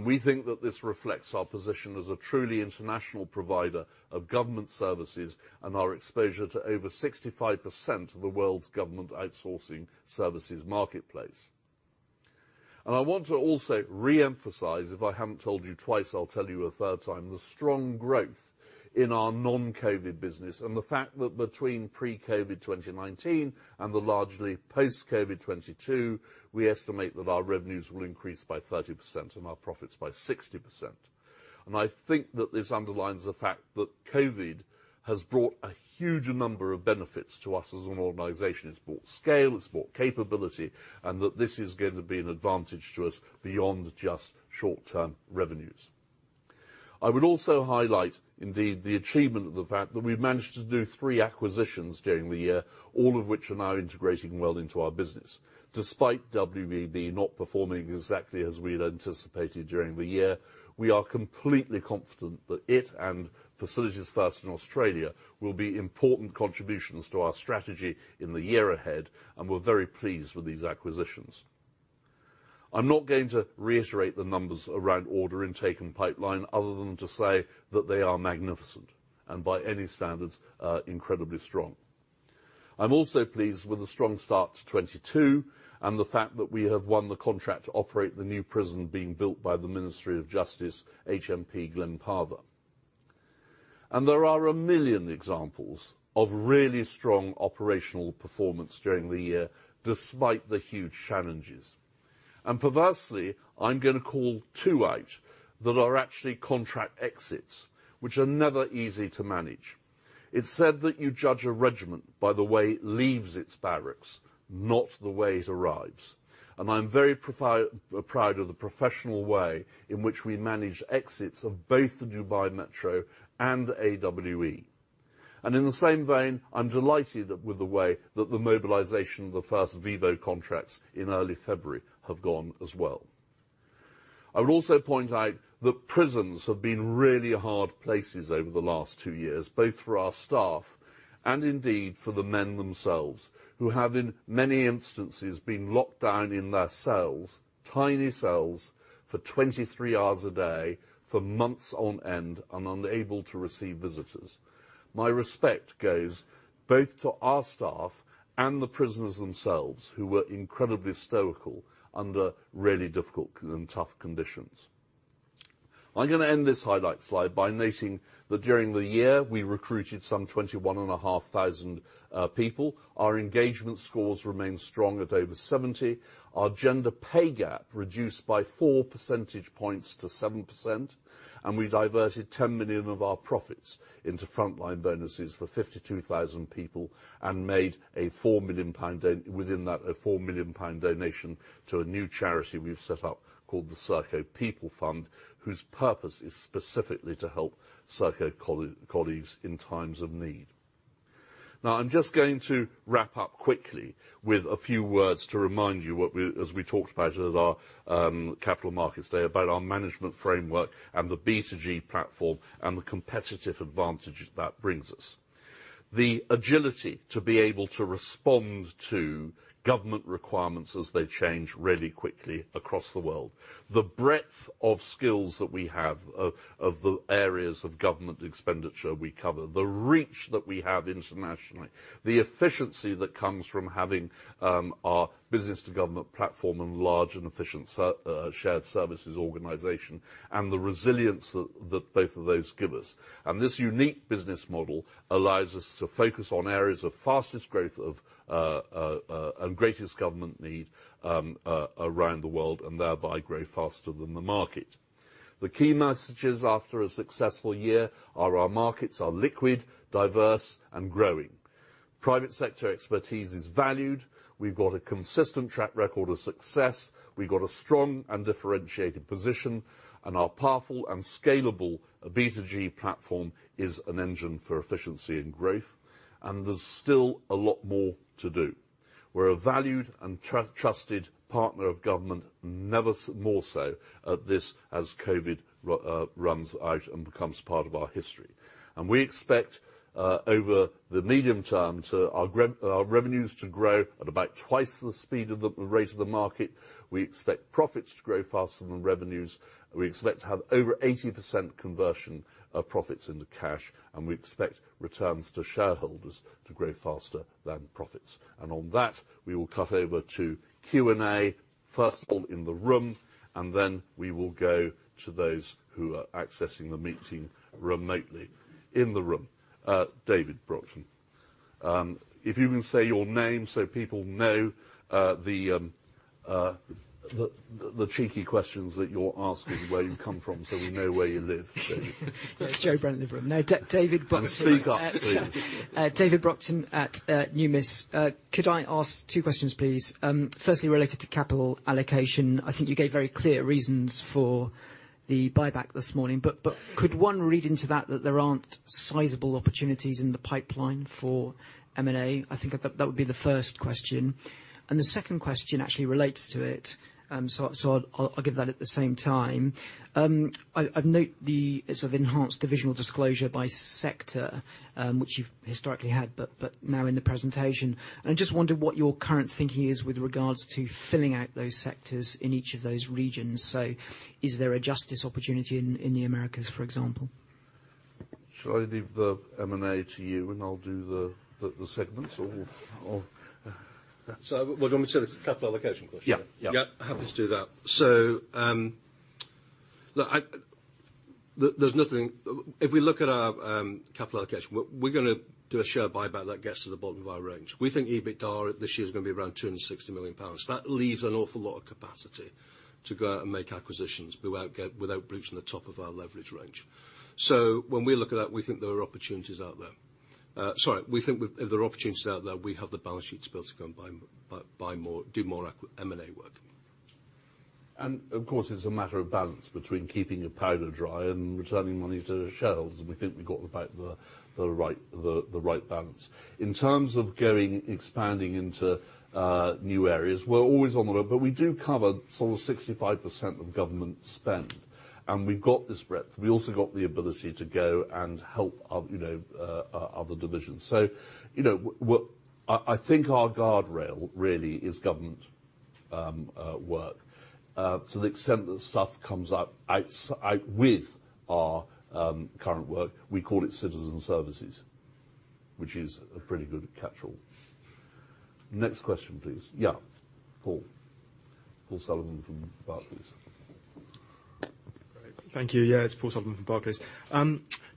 We think that this reflects our position as a truly international provider of government services and our exposure to over 65% of the world's government outsourcing services marketplace. I want to also reemphasize, if I haven't told you twice, I'll tell you a third time, the strong growth in our non-COVID business and the fact that between pre-COVID 2019 and the largely post-COVID 2022, we estimate that our revenues will increase by 30% and our profits by 60%. I think that this underlines the fact that COVID has brought a huge number of benefits to us as an organization. It's brought scale, it's brought capability, and that this is going to be an advantage to us beyond just short-term revenues. I would also highlight indeed the achievement of the fact that we've managed to do three acquisitions during the year, all of which are now integrating well into our business. Despite WBB not performing exactly as we'd anticipated during the year, we are completely confident that it and Facilities First in Australia will be important contributions to our strategy in the year ahead, and we're very pleased with these acquisitions. I'm not going to reiterate the numbers around order intake and pipeline other than to say that they are magnificent and by any standards, incredibly strong. I'm also pleased with the strong start to 2022 and the fact that we have won the contract to operate the new prison being built by the Ministry of Justice, HMP Glen Parva. There are a million examples of really strong operational performance during the year, despite the huge challenges. Perversely, I'm gonna call 2 out that are actually contract exits, which are never easy to manage. It's said that you judge a regiment by the way it leaves its barracks, not the way it arrives. I'm very proud of the professional way in which we manage exits of both the Dubai Metro and AWE. In the same vein, I'm delighted with the way that the mobilization of the first VIVO contracts in early February have gone as well. I would also point out that prisons have been really hard places over the last two years, both for our staff and indeed for the men themselves, who have in many instances, been locked down in their cells, tiny cells for 23 hours a day, for months on end and unable to receive visitors. My respect goes both to our staff and the prisoners themselves, who were incredibly stoical under really difficult and tough conditions. I'm gonna end this highlight slide by noting that during the year, we recruited some 21,500 people. Our engagement scores remain strong at over 70. Our gender pay gap reduced by 4 percentage points to 7%, and we diverted 10 million of our profits into frontline bonuses for 52,000 people and made a 4 million pound donation within that to a new charity we've set up called the Serco People Fund, whose purpose is specifically to help Serco colleagues in times of need. Now, I'm just going to wrap up quickly with a few words to remind you what we, as we talked about at our capital markets day, about our management framework and the B2G platform and the competitive advantage that brings us. The agility to be able to respond to government requirements as they change really quickly across the world. The breadth of skills that we have of the areas of government expenditure we cover. The reach that we have internationally. The efficiency that comes from having our business-to-government platform and large and efficient shared services organization, and the resilience that both of those give us. This unique business model allows us to focus on areas of fastest growth and greatest government need around the world and thereby grow faster than the market. The key messages after a successful year are our markets are liquid, diverse and growing. Private sector expertise is valued. We've got a consistent track record of success. We've got a strong and differentiated position, and our powerful and scalable B2G platform is an engine for efficiency and growth, and there's still a lot more to do. We're a valued and trusted partner of government, never more so as COVID runs out and becomes part of our history. We expect over the medium term our revenues to grow at about twice the speed of the rate of the market. We expect profits to grow faster than revenues. We expect to have over 80% conversion of profits into cash, and we expect returns to shareholders to grow faster than profits. On that, we will cut over to Q&A, first all in the room, and then we will go to those who are accessing the meeting remotely. In the room, David Brockton. If you can say your name so people know the cheeky questions that you're asking where you come from, so we know where you live, David. It's Joe Brent in the room. No, David Brockton. Speak up please. David Brockton at Numis. Could I ask two questions, please? Firstly, related to capital allocation. I think you gave very clear reasons for the buyback this morning, but could one read into that that there aren't sizable opportunities in the pipeline for M&A? I think that would be the first question. The second question actually relates to it. So I'll give that at the same time. I've noted the sort of enhanced divisional disclosure by sector, which you've historically had, but now in the presentation. I just wondered what your current thinking is with regards to filling out those sectors in each of those regions. So is there a justice opportunity in the Americas, for example? Should I leave the M&A to you, and I'll do the segments or? Do you want me to take the capital allocation question? Yeah. Yeah. Yeah. Happy to do that. Look, there's nothing. If we look at our capital allocation, we're gonna do a share buyback that gets to the bottom of our range. We think EBITDA this year is gonna be around 260 million pounds. That leaves an awful lot of capacity to go out and make acquisitions without breaching the top of our leverage range. When we look at that, we think there are opportunities out there. There are opportunities out there. We have the balance sheet to be able to go and buy more, do more M&A work. Of course, it's a matter of balance between keeping your powder dry and returning money to the shareholders. We think we've got about the right balance. In terms of expanding into new areas. We're always on the lookout, but we do cover sort of 65% of government spend, and we've got this breadth. We also got the ability to go and help, you know, other divisions. You know, I think our guardrail really is government work. To the extent that stuff comes up outside our current work, we call it citizen services, which is a pretty good catchall. Next question, please. Yeah, Paul. Paul Sullivan from Barclays. Thank you. Yeah, it's Paul Sullivan from Barclays.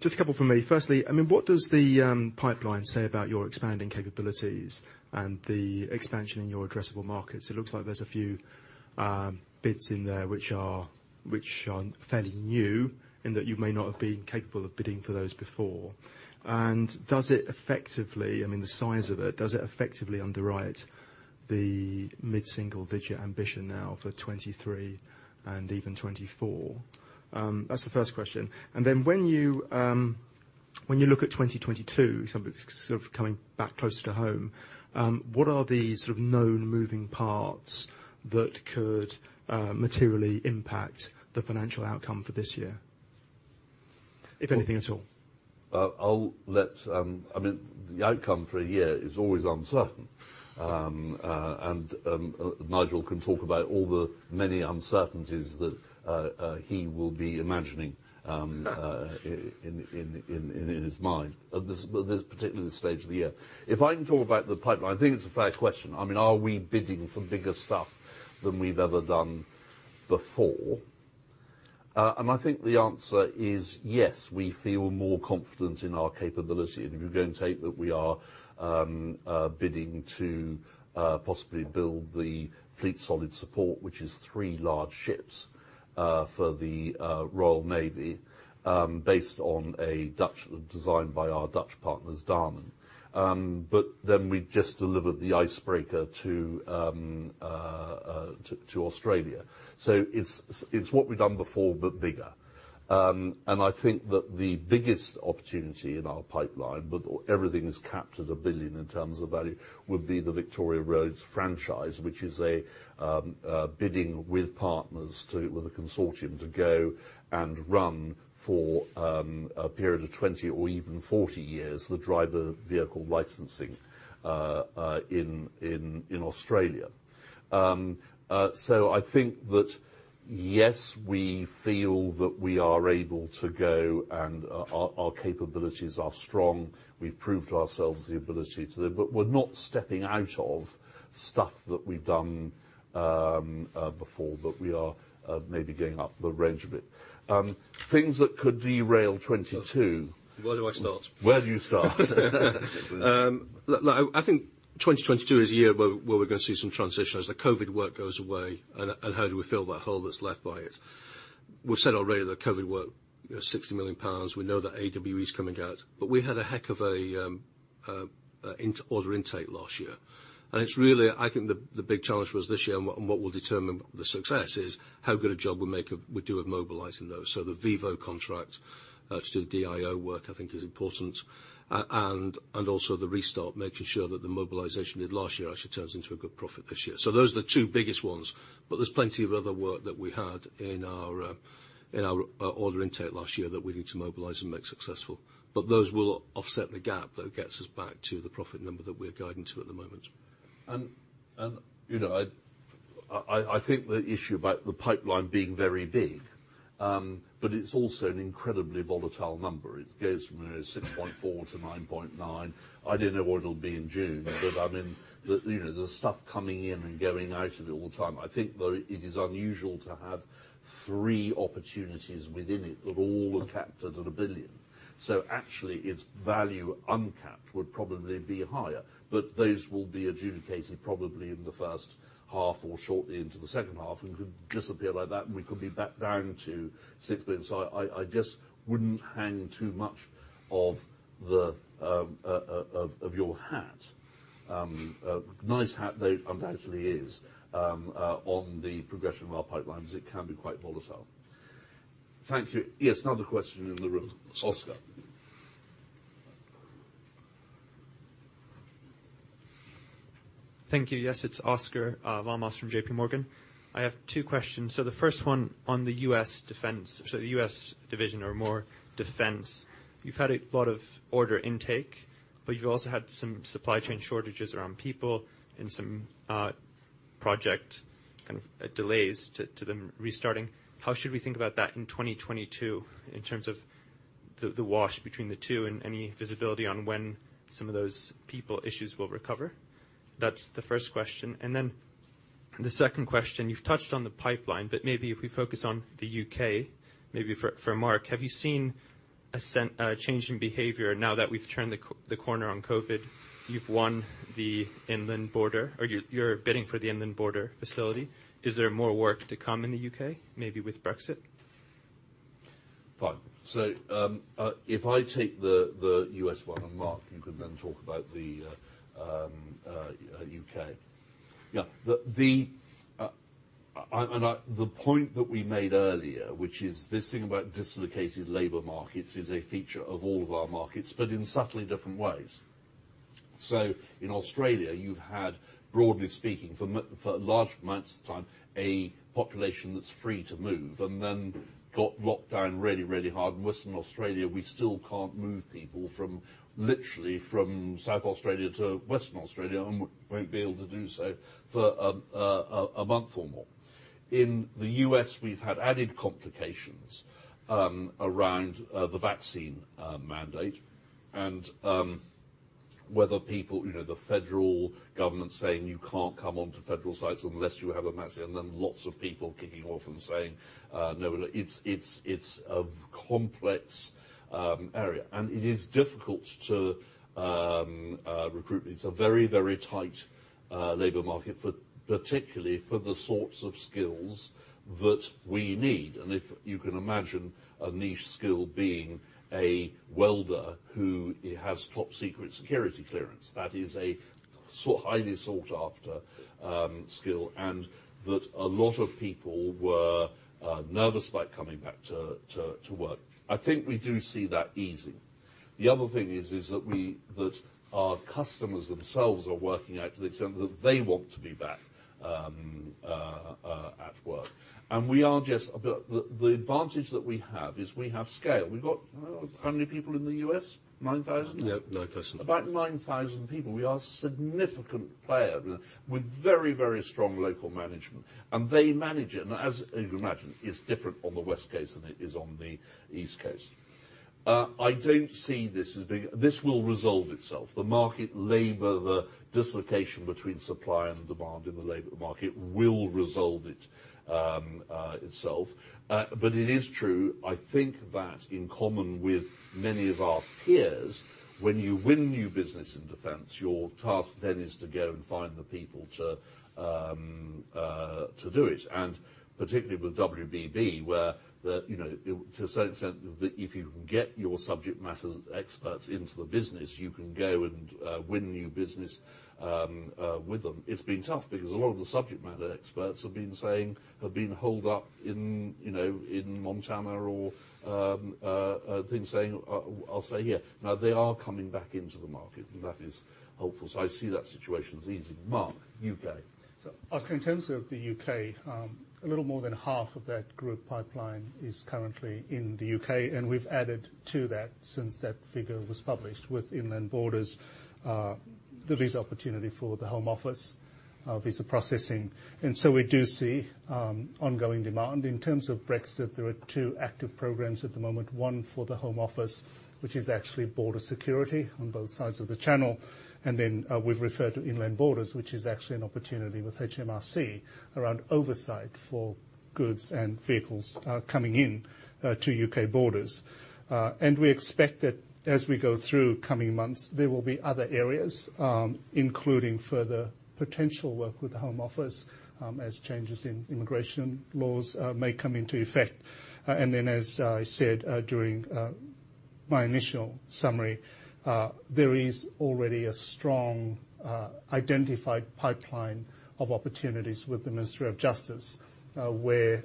Just a couple from me. Firstly, I mean, what does the pipeline say about your expanding capabilities and the expansion in your addressable markets? It looks like there's a few bids in there which are fairly new in that you may not have been capable of bidding for those before. Does it effectively, I mean the size of it, does it effectively underwrite the mid-single digit ambition now for 2023 and even 2024? That's the first question. Then when you look at 2022, sort of coming back closer to home, what are the sort of known moving parts that could materially impact the financial outcome for this year, if anything at all? I mean, the outcome for a year is always uncertain. Nigel can talk about all the many uncertainties that he will be imagining in his mind at this particular stage of the year. If I can talk about the pipeline, I think it's a fair question. I mean, are we bidding for bigger stuff than we've ever done before? I think the answer is yes. We feel more confident in our capability, and if you're going to take that, we are bidding to possibly build the Fleet Solid Support, which is three large ships for the Royal Navy, based on a Dutch design by our Dutch partners, Damen. We just delivered the icebreaker to Australia. It's what we've done before, but bigger. I think that the biggest opportunity in our pipeline, but everything is capped at 1 billion in terms of value, would be the VicRoads franchise, which is a bidding with partners to with a consortium to go and run for a period of 20 or even 40 years, the driver vehicle licensing in Australia. I think that, yes, we feel that we are able to go and our capabilities are strong. We've proved to ourselves the ability to, but we're not stepping out of stuff that we've done before, but we are maybe going up the range a bit. Things that could derail 2022- Where do I start? Where do you start? Look, I think 2022 is a year where we're gonna see some transition as the COVID work goes away, and how do we fill that hole that's left by it. We've said already that COVID work, you know, 60 million pounds. We know that AWE's coming out. We had a heck of a order intake last year. It's really, I think the big challenge for us this year and what will determine the success is how good a job we do of mobilizing those. The VIVO contract to do the DIO work, I think, is important. Also the Restart, making sure that the mobilization we did last year actually turns into a good profit this year. Those are the two biggest ones, but there's plenty of other work that we had in our order intake last year that we need to mobilize and make successful. Those will offset the gap that gets us back to the profit number that we're guiding to at the moment. You know, I think the issue about the pipeline being very big, but it's also an incredibly volatile number. It goes from 6.4 billion-9.9 billion. I don't know what it'll be in June. I mean, you know, there's stuff coming in and going out of it all the time. I think though, it is unusual to have three opportunities within it that all are capped at 1 billion. Actually, its value uncapped would probably be higher. Those will be adjudicated probably in the first half or shortly into the second half, and could disappear like that, and we could be back down to 6 billion. I just wouldn't hang too much of your hat. A nice hat though it undoubtedly is, on the progression of our pipelines, it can be quite volatile. Thank you. Yes, another question in the room. Oscar. Thank you. Yes, it's Oscar Val-Mas from J.P. Morgan. I have two questions. The first one on the U.S. defense, so the U.S. division or more defense. You've had a lot of order intake, but you've also had some supply chain shortages around people and some project kind of delays to them restarting. How should we think about that in 2022 in terms of the wash between the two and any visibility on when some of those people issues will recover? That's the first question. The second question, you've touched on the pipeline, but maybe if we focus on the U.K., maybe for Mark. Have you seen a change in behavior now that we've turned the corner on COVID? You've won the Inland Border Facilities or you're bidding for the Inland Border Facilities. Is there more work to come in the U.K., maybe with Brexit? Fine. If I take the U.S. one, and Mark, you can then talk about the U.K. Yeah. The point that we made earlier, which is this thing about dislocated labor markets is a feature of all of our markets, but in subtly different ways. In Australia, you've had, broadly speaking, for large amounts of time, a population that's free to move, and then got locked down really, really hard. In Western Australia, we still can't move people from, literally from South Australia to Western Australia, and won't be able to do so for a month or more. In the U.S., we've had added complications around the vaccine mandate and whether people, you know, the federal government saying you can't come onto federal sites unless you have a vaccine, and then lots of people kicking off and saying no. It's a complex area. It is difficult to recruit. It's a very tight labor market particularly for the sorts of skills that we need. If you can imagine a niche skill being a welder who has top-secret security clearance, that is a highly sought after skill, and that a lot of people were nervous about coming back to work. I think we do see that easing. The other thing is that our customers themselves are working out to the extent that they want to be back at work. The advantage that we have is we have scale. We've got, I don't know, how many people in the U.S.? 9,000? Yeah, 9,000. About 9,000 people. We are a significant player with very, very strong local management, and they manage it. As you can imagine, it's different on the West Coast than it is on the East Coast. I don't see this as being something that will not resolve itself. The labor market, the dislocation between supply and demand in the labor market will resolve itself. It is true, I think that in common with many of our peers, when you win new business in defense, your task then is to go and find the people to do it. Particularly with WBB, where, you know, to a certain extent, if you can get your subject matter experts into the business, you can go and win new business with them. It's been tough because a lot of the subject matter experts have been holed up in, you know, in Montana or, then saying, "I'll stay here." Now they are coming back into the market, and that is helpful. I see that situation as easing. Mark, U.K. Oscar, in terms of the U.K., a little more than half of that group pipeline is currently in the U.K., and we've added to that since that figure was published with Inland Borders, the lease opportunity for the Home Office, visa processing. We do see ongoing demand. In terms of Brexit, there are two active programs at the moment, one for the Home Office, which is actually border security on both sides of the channel. We've referred to Inland Borders, which is actually an opportunity with HMRC around oversight for goods and vehicles, coming in, to U.K. borders. We expect that as we go through coming months, there will be other areas, including further potential work with the Home Office, as changes in immigration laws may come into effect. As I said during my initial summary, there is already a strong identified pipeline of opportunities with the Ministry of Justice, where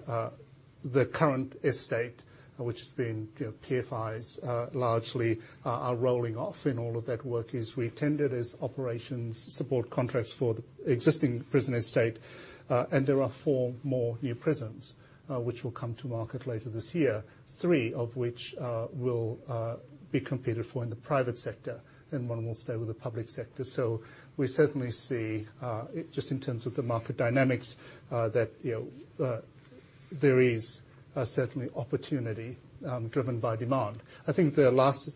the current estate, which has been, you know, largely PFIs, are rolling off, and all of that work is re-tendered as operations support contracts for the existing prison estate. There are 4 more new prisons which will come to market later this year, 3 of which will be competed for in the private sector, and 1 will stay with the public sector. We certainly see just in terms of the market dynamics that, you know, there is certainly opportunity driven by demand. I think the last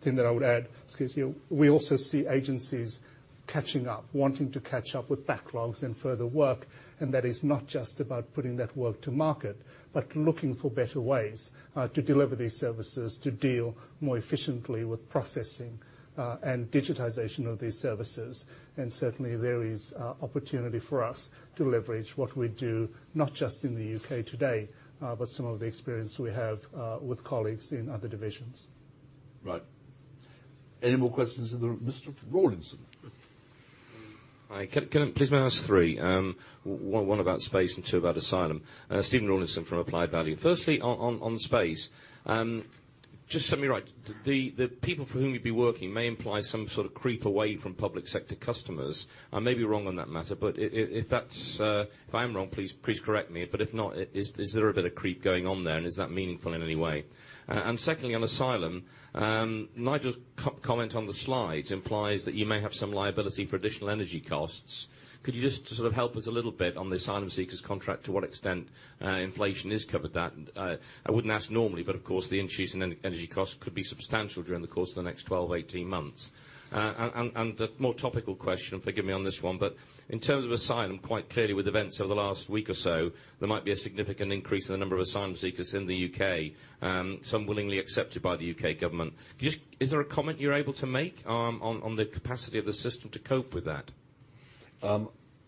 thing that I would add, excuse me, we also see agencies catching up, wanting to catch up with backlogs and further work, and that is not just about putting that work to market, but looking for better ways to deliver these services, to deal more efficiently with processing and digitization of these services. Certainly, there is opportunity for us to leverage what we do, not just in the U.K. today, but some of the experience we have with colleagues in other divisions. Right. Any more questions in the room? Mr. Rawlinson. Hi. Can I please ask three, one about space and two about asylum? Stephen Rawlinson from Applied Value. Firstly, on space, just set me right. The people for whom you'd be working may imply some sort of creep away from public sector customers. I may be wrong on that matter, but if that's if I am wrong, please correct me. If not, is there a bit of creep going on there, and is that meaningful in any way? And secondly, on asylum, Nigel's comment on the slides implies that you may have some liability for additional energy costs. Could you just sort of help us a little bit on the asylum seekers contract to what extent inflation is covered that? I wouldn't ask normally, but of course, the increase in energy costs could be substantial during the course of the next 12-18 months. The more topical question, forgive me on this one, but in terms of asylum, quite clearly with events over the last week or so, there might be a significant increase in the number of asylum seekers in the U.K., some willingly accepted by the U.K. government. Is there a comment you're able to make, on the capacity of the system to cope with that?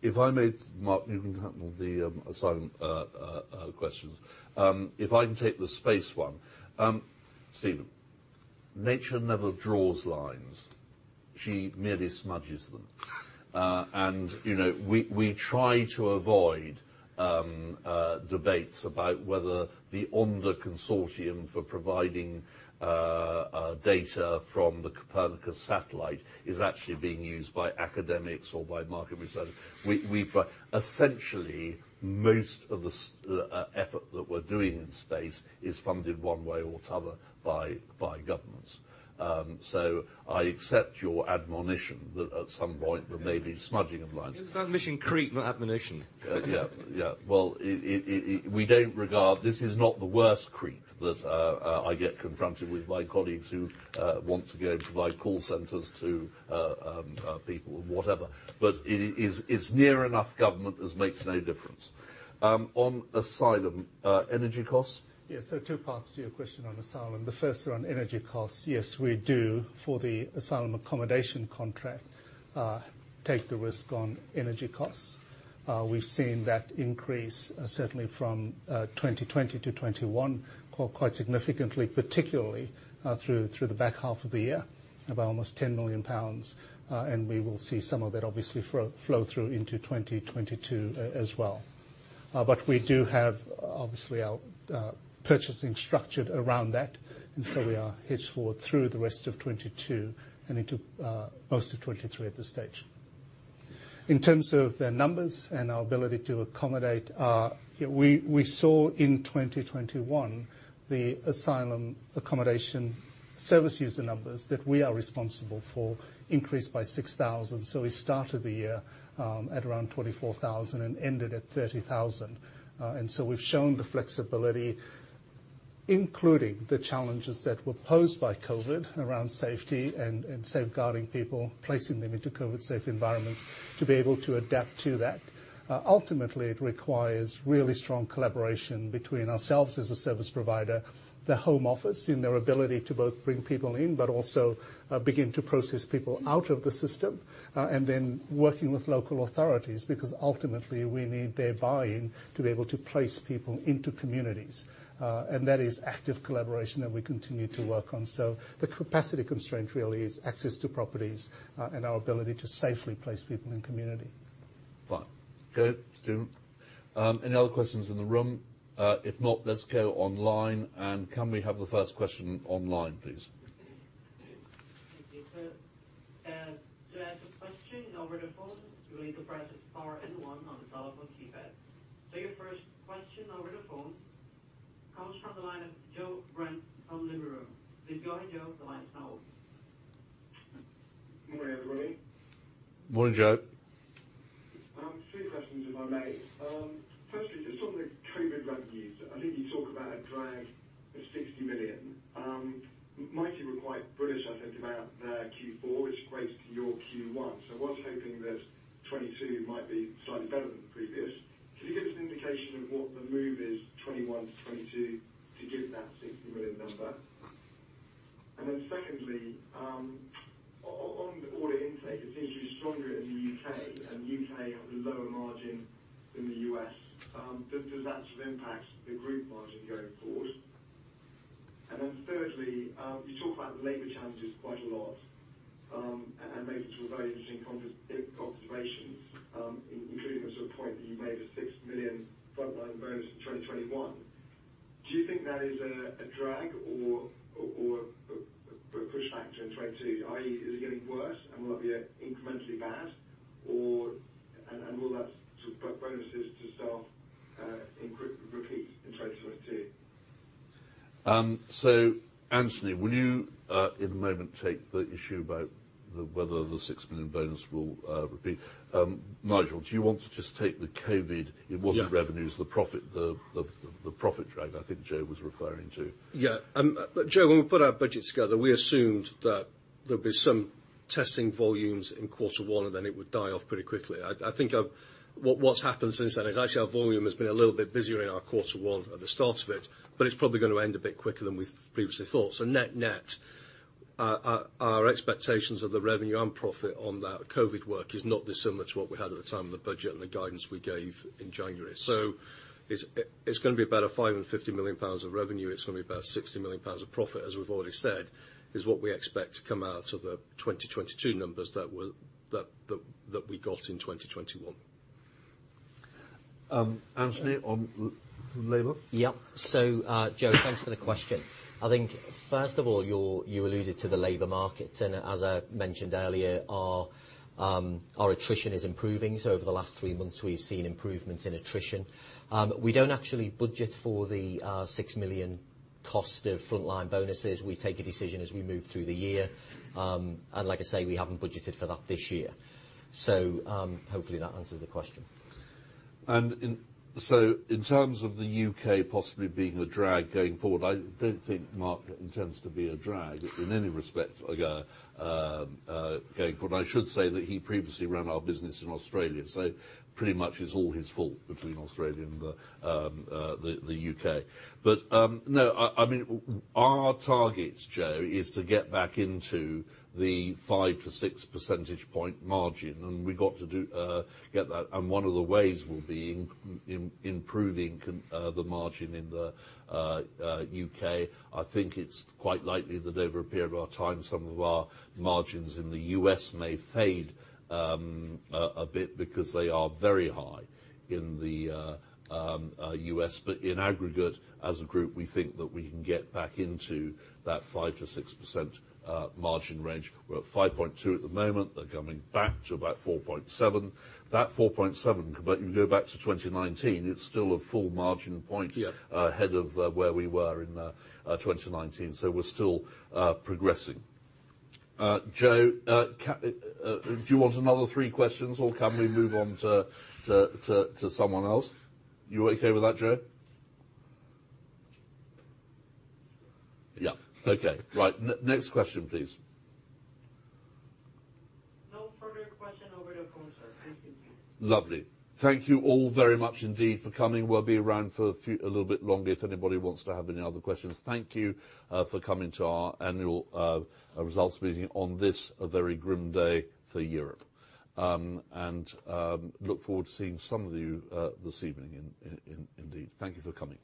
If I may, Mark, you can handle the asylum questions. If I can take the space one. Stephen, nature never draws lines. She merely smudges them. You know, we try to avoid debates about whether the ONDA consortium for providing data from the Copernicus satellite is actually being used by academics or by market researchers. We've essentially most of the effort that we're doing in space is funded one way or t'other by governments. I accept your admonition that at some point there may be smudging of lines. It was about mission creep, not admonition. This is not the worst creep that I get confronted with my colleagues who want to go and provide call centers to people, whatever. It is near enough government. This makes no difference. On asylum, energy costs? Yeah. Two parts to your question on asylum. The first are on energy costs. Yes, we do for the asylum accommodation contract take the risk on energy costs. We've seen that increase certainly from 2020 to 2021 quite significantly, particularly through the back half of the year of almost 10 million pounds. We will see some of that obviously flow through into 2022 as well. But we do have obviously our purchasing structured around that. We are hedged for through the rest of 2022 and into most of 2023 at this stage. In terms of the numbers and our ability to accommodate, we saw in 2021 the asylum accommodation service user numbers that we are responsible for increased by 6,000. We started the year at around 24,000 and ended at 30,000. We've shown the flexibility, including the challenges that were posed by COVID around safety and safeguarding people, placing them into COVID-safe environments, to be able to adapt to that. Ultimately, it requires really strong collaboration between ourselves as a service provider, the Home Office, in their ability to both bring people in, but also begin to process people out of the system, and then working with local authorities, because ultimately we need their buy-in to be able to place people into communities. That is active collaboration that we continue to work on. The capacity constraint really is access to properties, and our ability to safely place people in community.eFine. Good. Stephen. Any other questions in the room? If not, let's go online. Can we have the first question online, please? Thank you, sir. To ask a question over the phone, you will need to press star and one on the telephone keypad. Your first question over the phone comes from the line of Joe Brent from Liberum. Go ahead, Joe. The line is now open. Morning, everybody. Morning, Joe. Two questions if I may. Firstly, just on the COVID revenues, I think you talk about a drag of 60 million. Mitie were quite bullish, I think, about their Q4, which equates to your Q1. I was hoping that 2022 might be slightly better than the previous. Could you give us an indication of what the move is 2021 to 2022 to give that 60 million number? Then secondly, on the order intake, it seems to be stronger in the U.K., and the U.K. has a lower margin than the U.S. Does that sort of impact the group margin going forward? Then thirdly, you talk about labor challenges quite a lot, and make some very interesting observations, including the sort of point that you made of 6 million frontline bonus in 2021. Do you think that is a drag or a pushback into 2020? i.e., is it getting worse and will it be incrementally bad or and all that sort of bonuses to staff repeat in 2022? Anthony, will you in a moment take the issue about whether the 6 million bonus will repeat? Nigel, do you want to just take the COVID- Yeah important revenues, the profit, the profit drag I think Joe was referring to. Yeah. Joe, when we put our budget together, we assumed that there'd be some testing volumes in quarter one, and then it would die off pretty quickly. I think what's happened since then is actually our volume has been a little bit busier in our quarter one at the start of it, but it's probably gonna end a bit quicker than we've previously thought. Net-net, our expectations of the revenue and profit on that COVID work is not dissimilar to what we had at the time of the budget and the guidance we gave in January. It's gonna be about 5-50 million pounds of revenue. It's gonna be about 60 million pounds of profit, as we've already said, is what we expect to come out of the 2022 numbers that we got in 2021. Anthony on labor. Yep. Joe, thanks for the question. I think first of all, you're, you alluded to the labor markets, and as I mentioned earlier, our attrition is improving, so over the last three months we've seen improvements in attrition. We don't actually budget for the 6 million cost of frontline bonuses. We take a decision as we move through the year. Like I say, we haven't budgeted for that this year. Hopefully that answers the question. In terms of the U.K. possibly being the drag going forward, I don't think Mark intends to be a drag in any respect going forward. I should say that he previously ran our business in Australia, so pretty much it's all his fault between Australia and the U.K. Our targets, Joe, is to get back into the 5-6 percentage point margin, and we've got to get that. One of the ways will be improving the margin in the U.K. I think it's quite likely that over a period of our time, some of our margins in the U.S. may fade a bit because they are very high in the U.S. In aggregate, as a group, we think that we can get back into that 5%-6% margin range. We're at 5.2% at the moment. They're coming back to about 4.7%. That 4.7%, but you go back to 2019, it's still a full margin point. Yeah Ahead of where we were in 2019, so we're still progressing. Joe, do you want another three questions, or can we move on to someone else? You okay with that, Joe? Yeah. Okay. Right. Next question, please. No further questions over the phone, sir. Thank you. Lovely. Thank you all very much indeed for coming. We'll be around for a few, a little bit longer if anybody wants to have any other questions. Thank you for coming to our annual results meeting on this very grim day for Europe. Look forward to seeing some of you this evening indeed. Thank you for coming.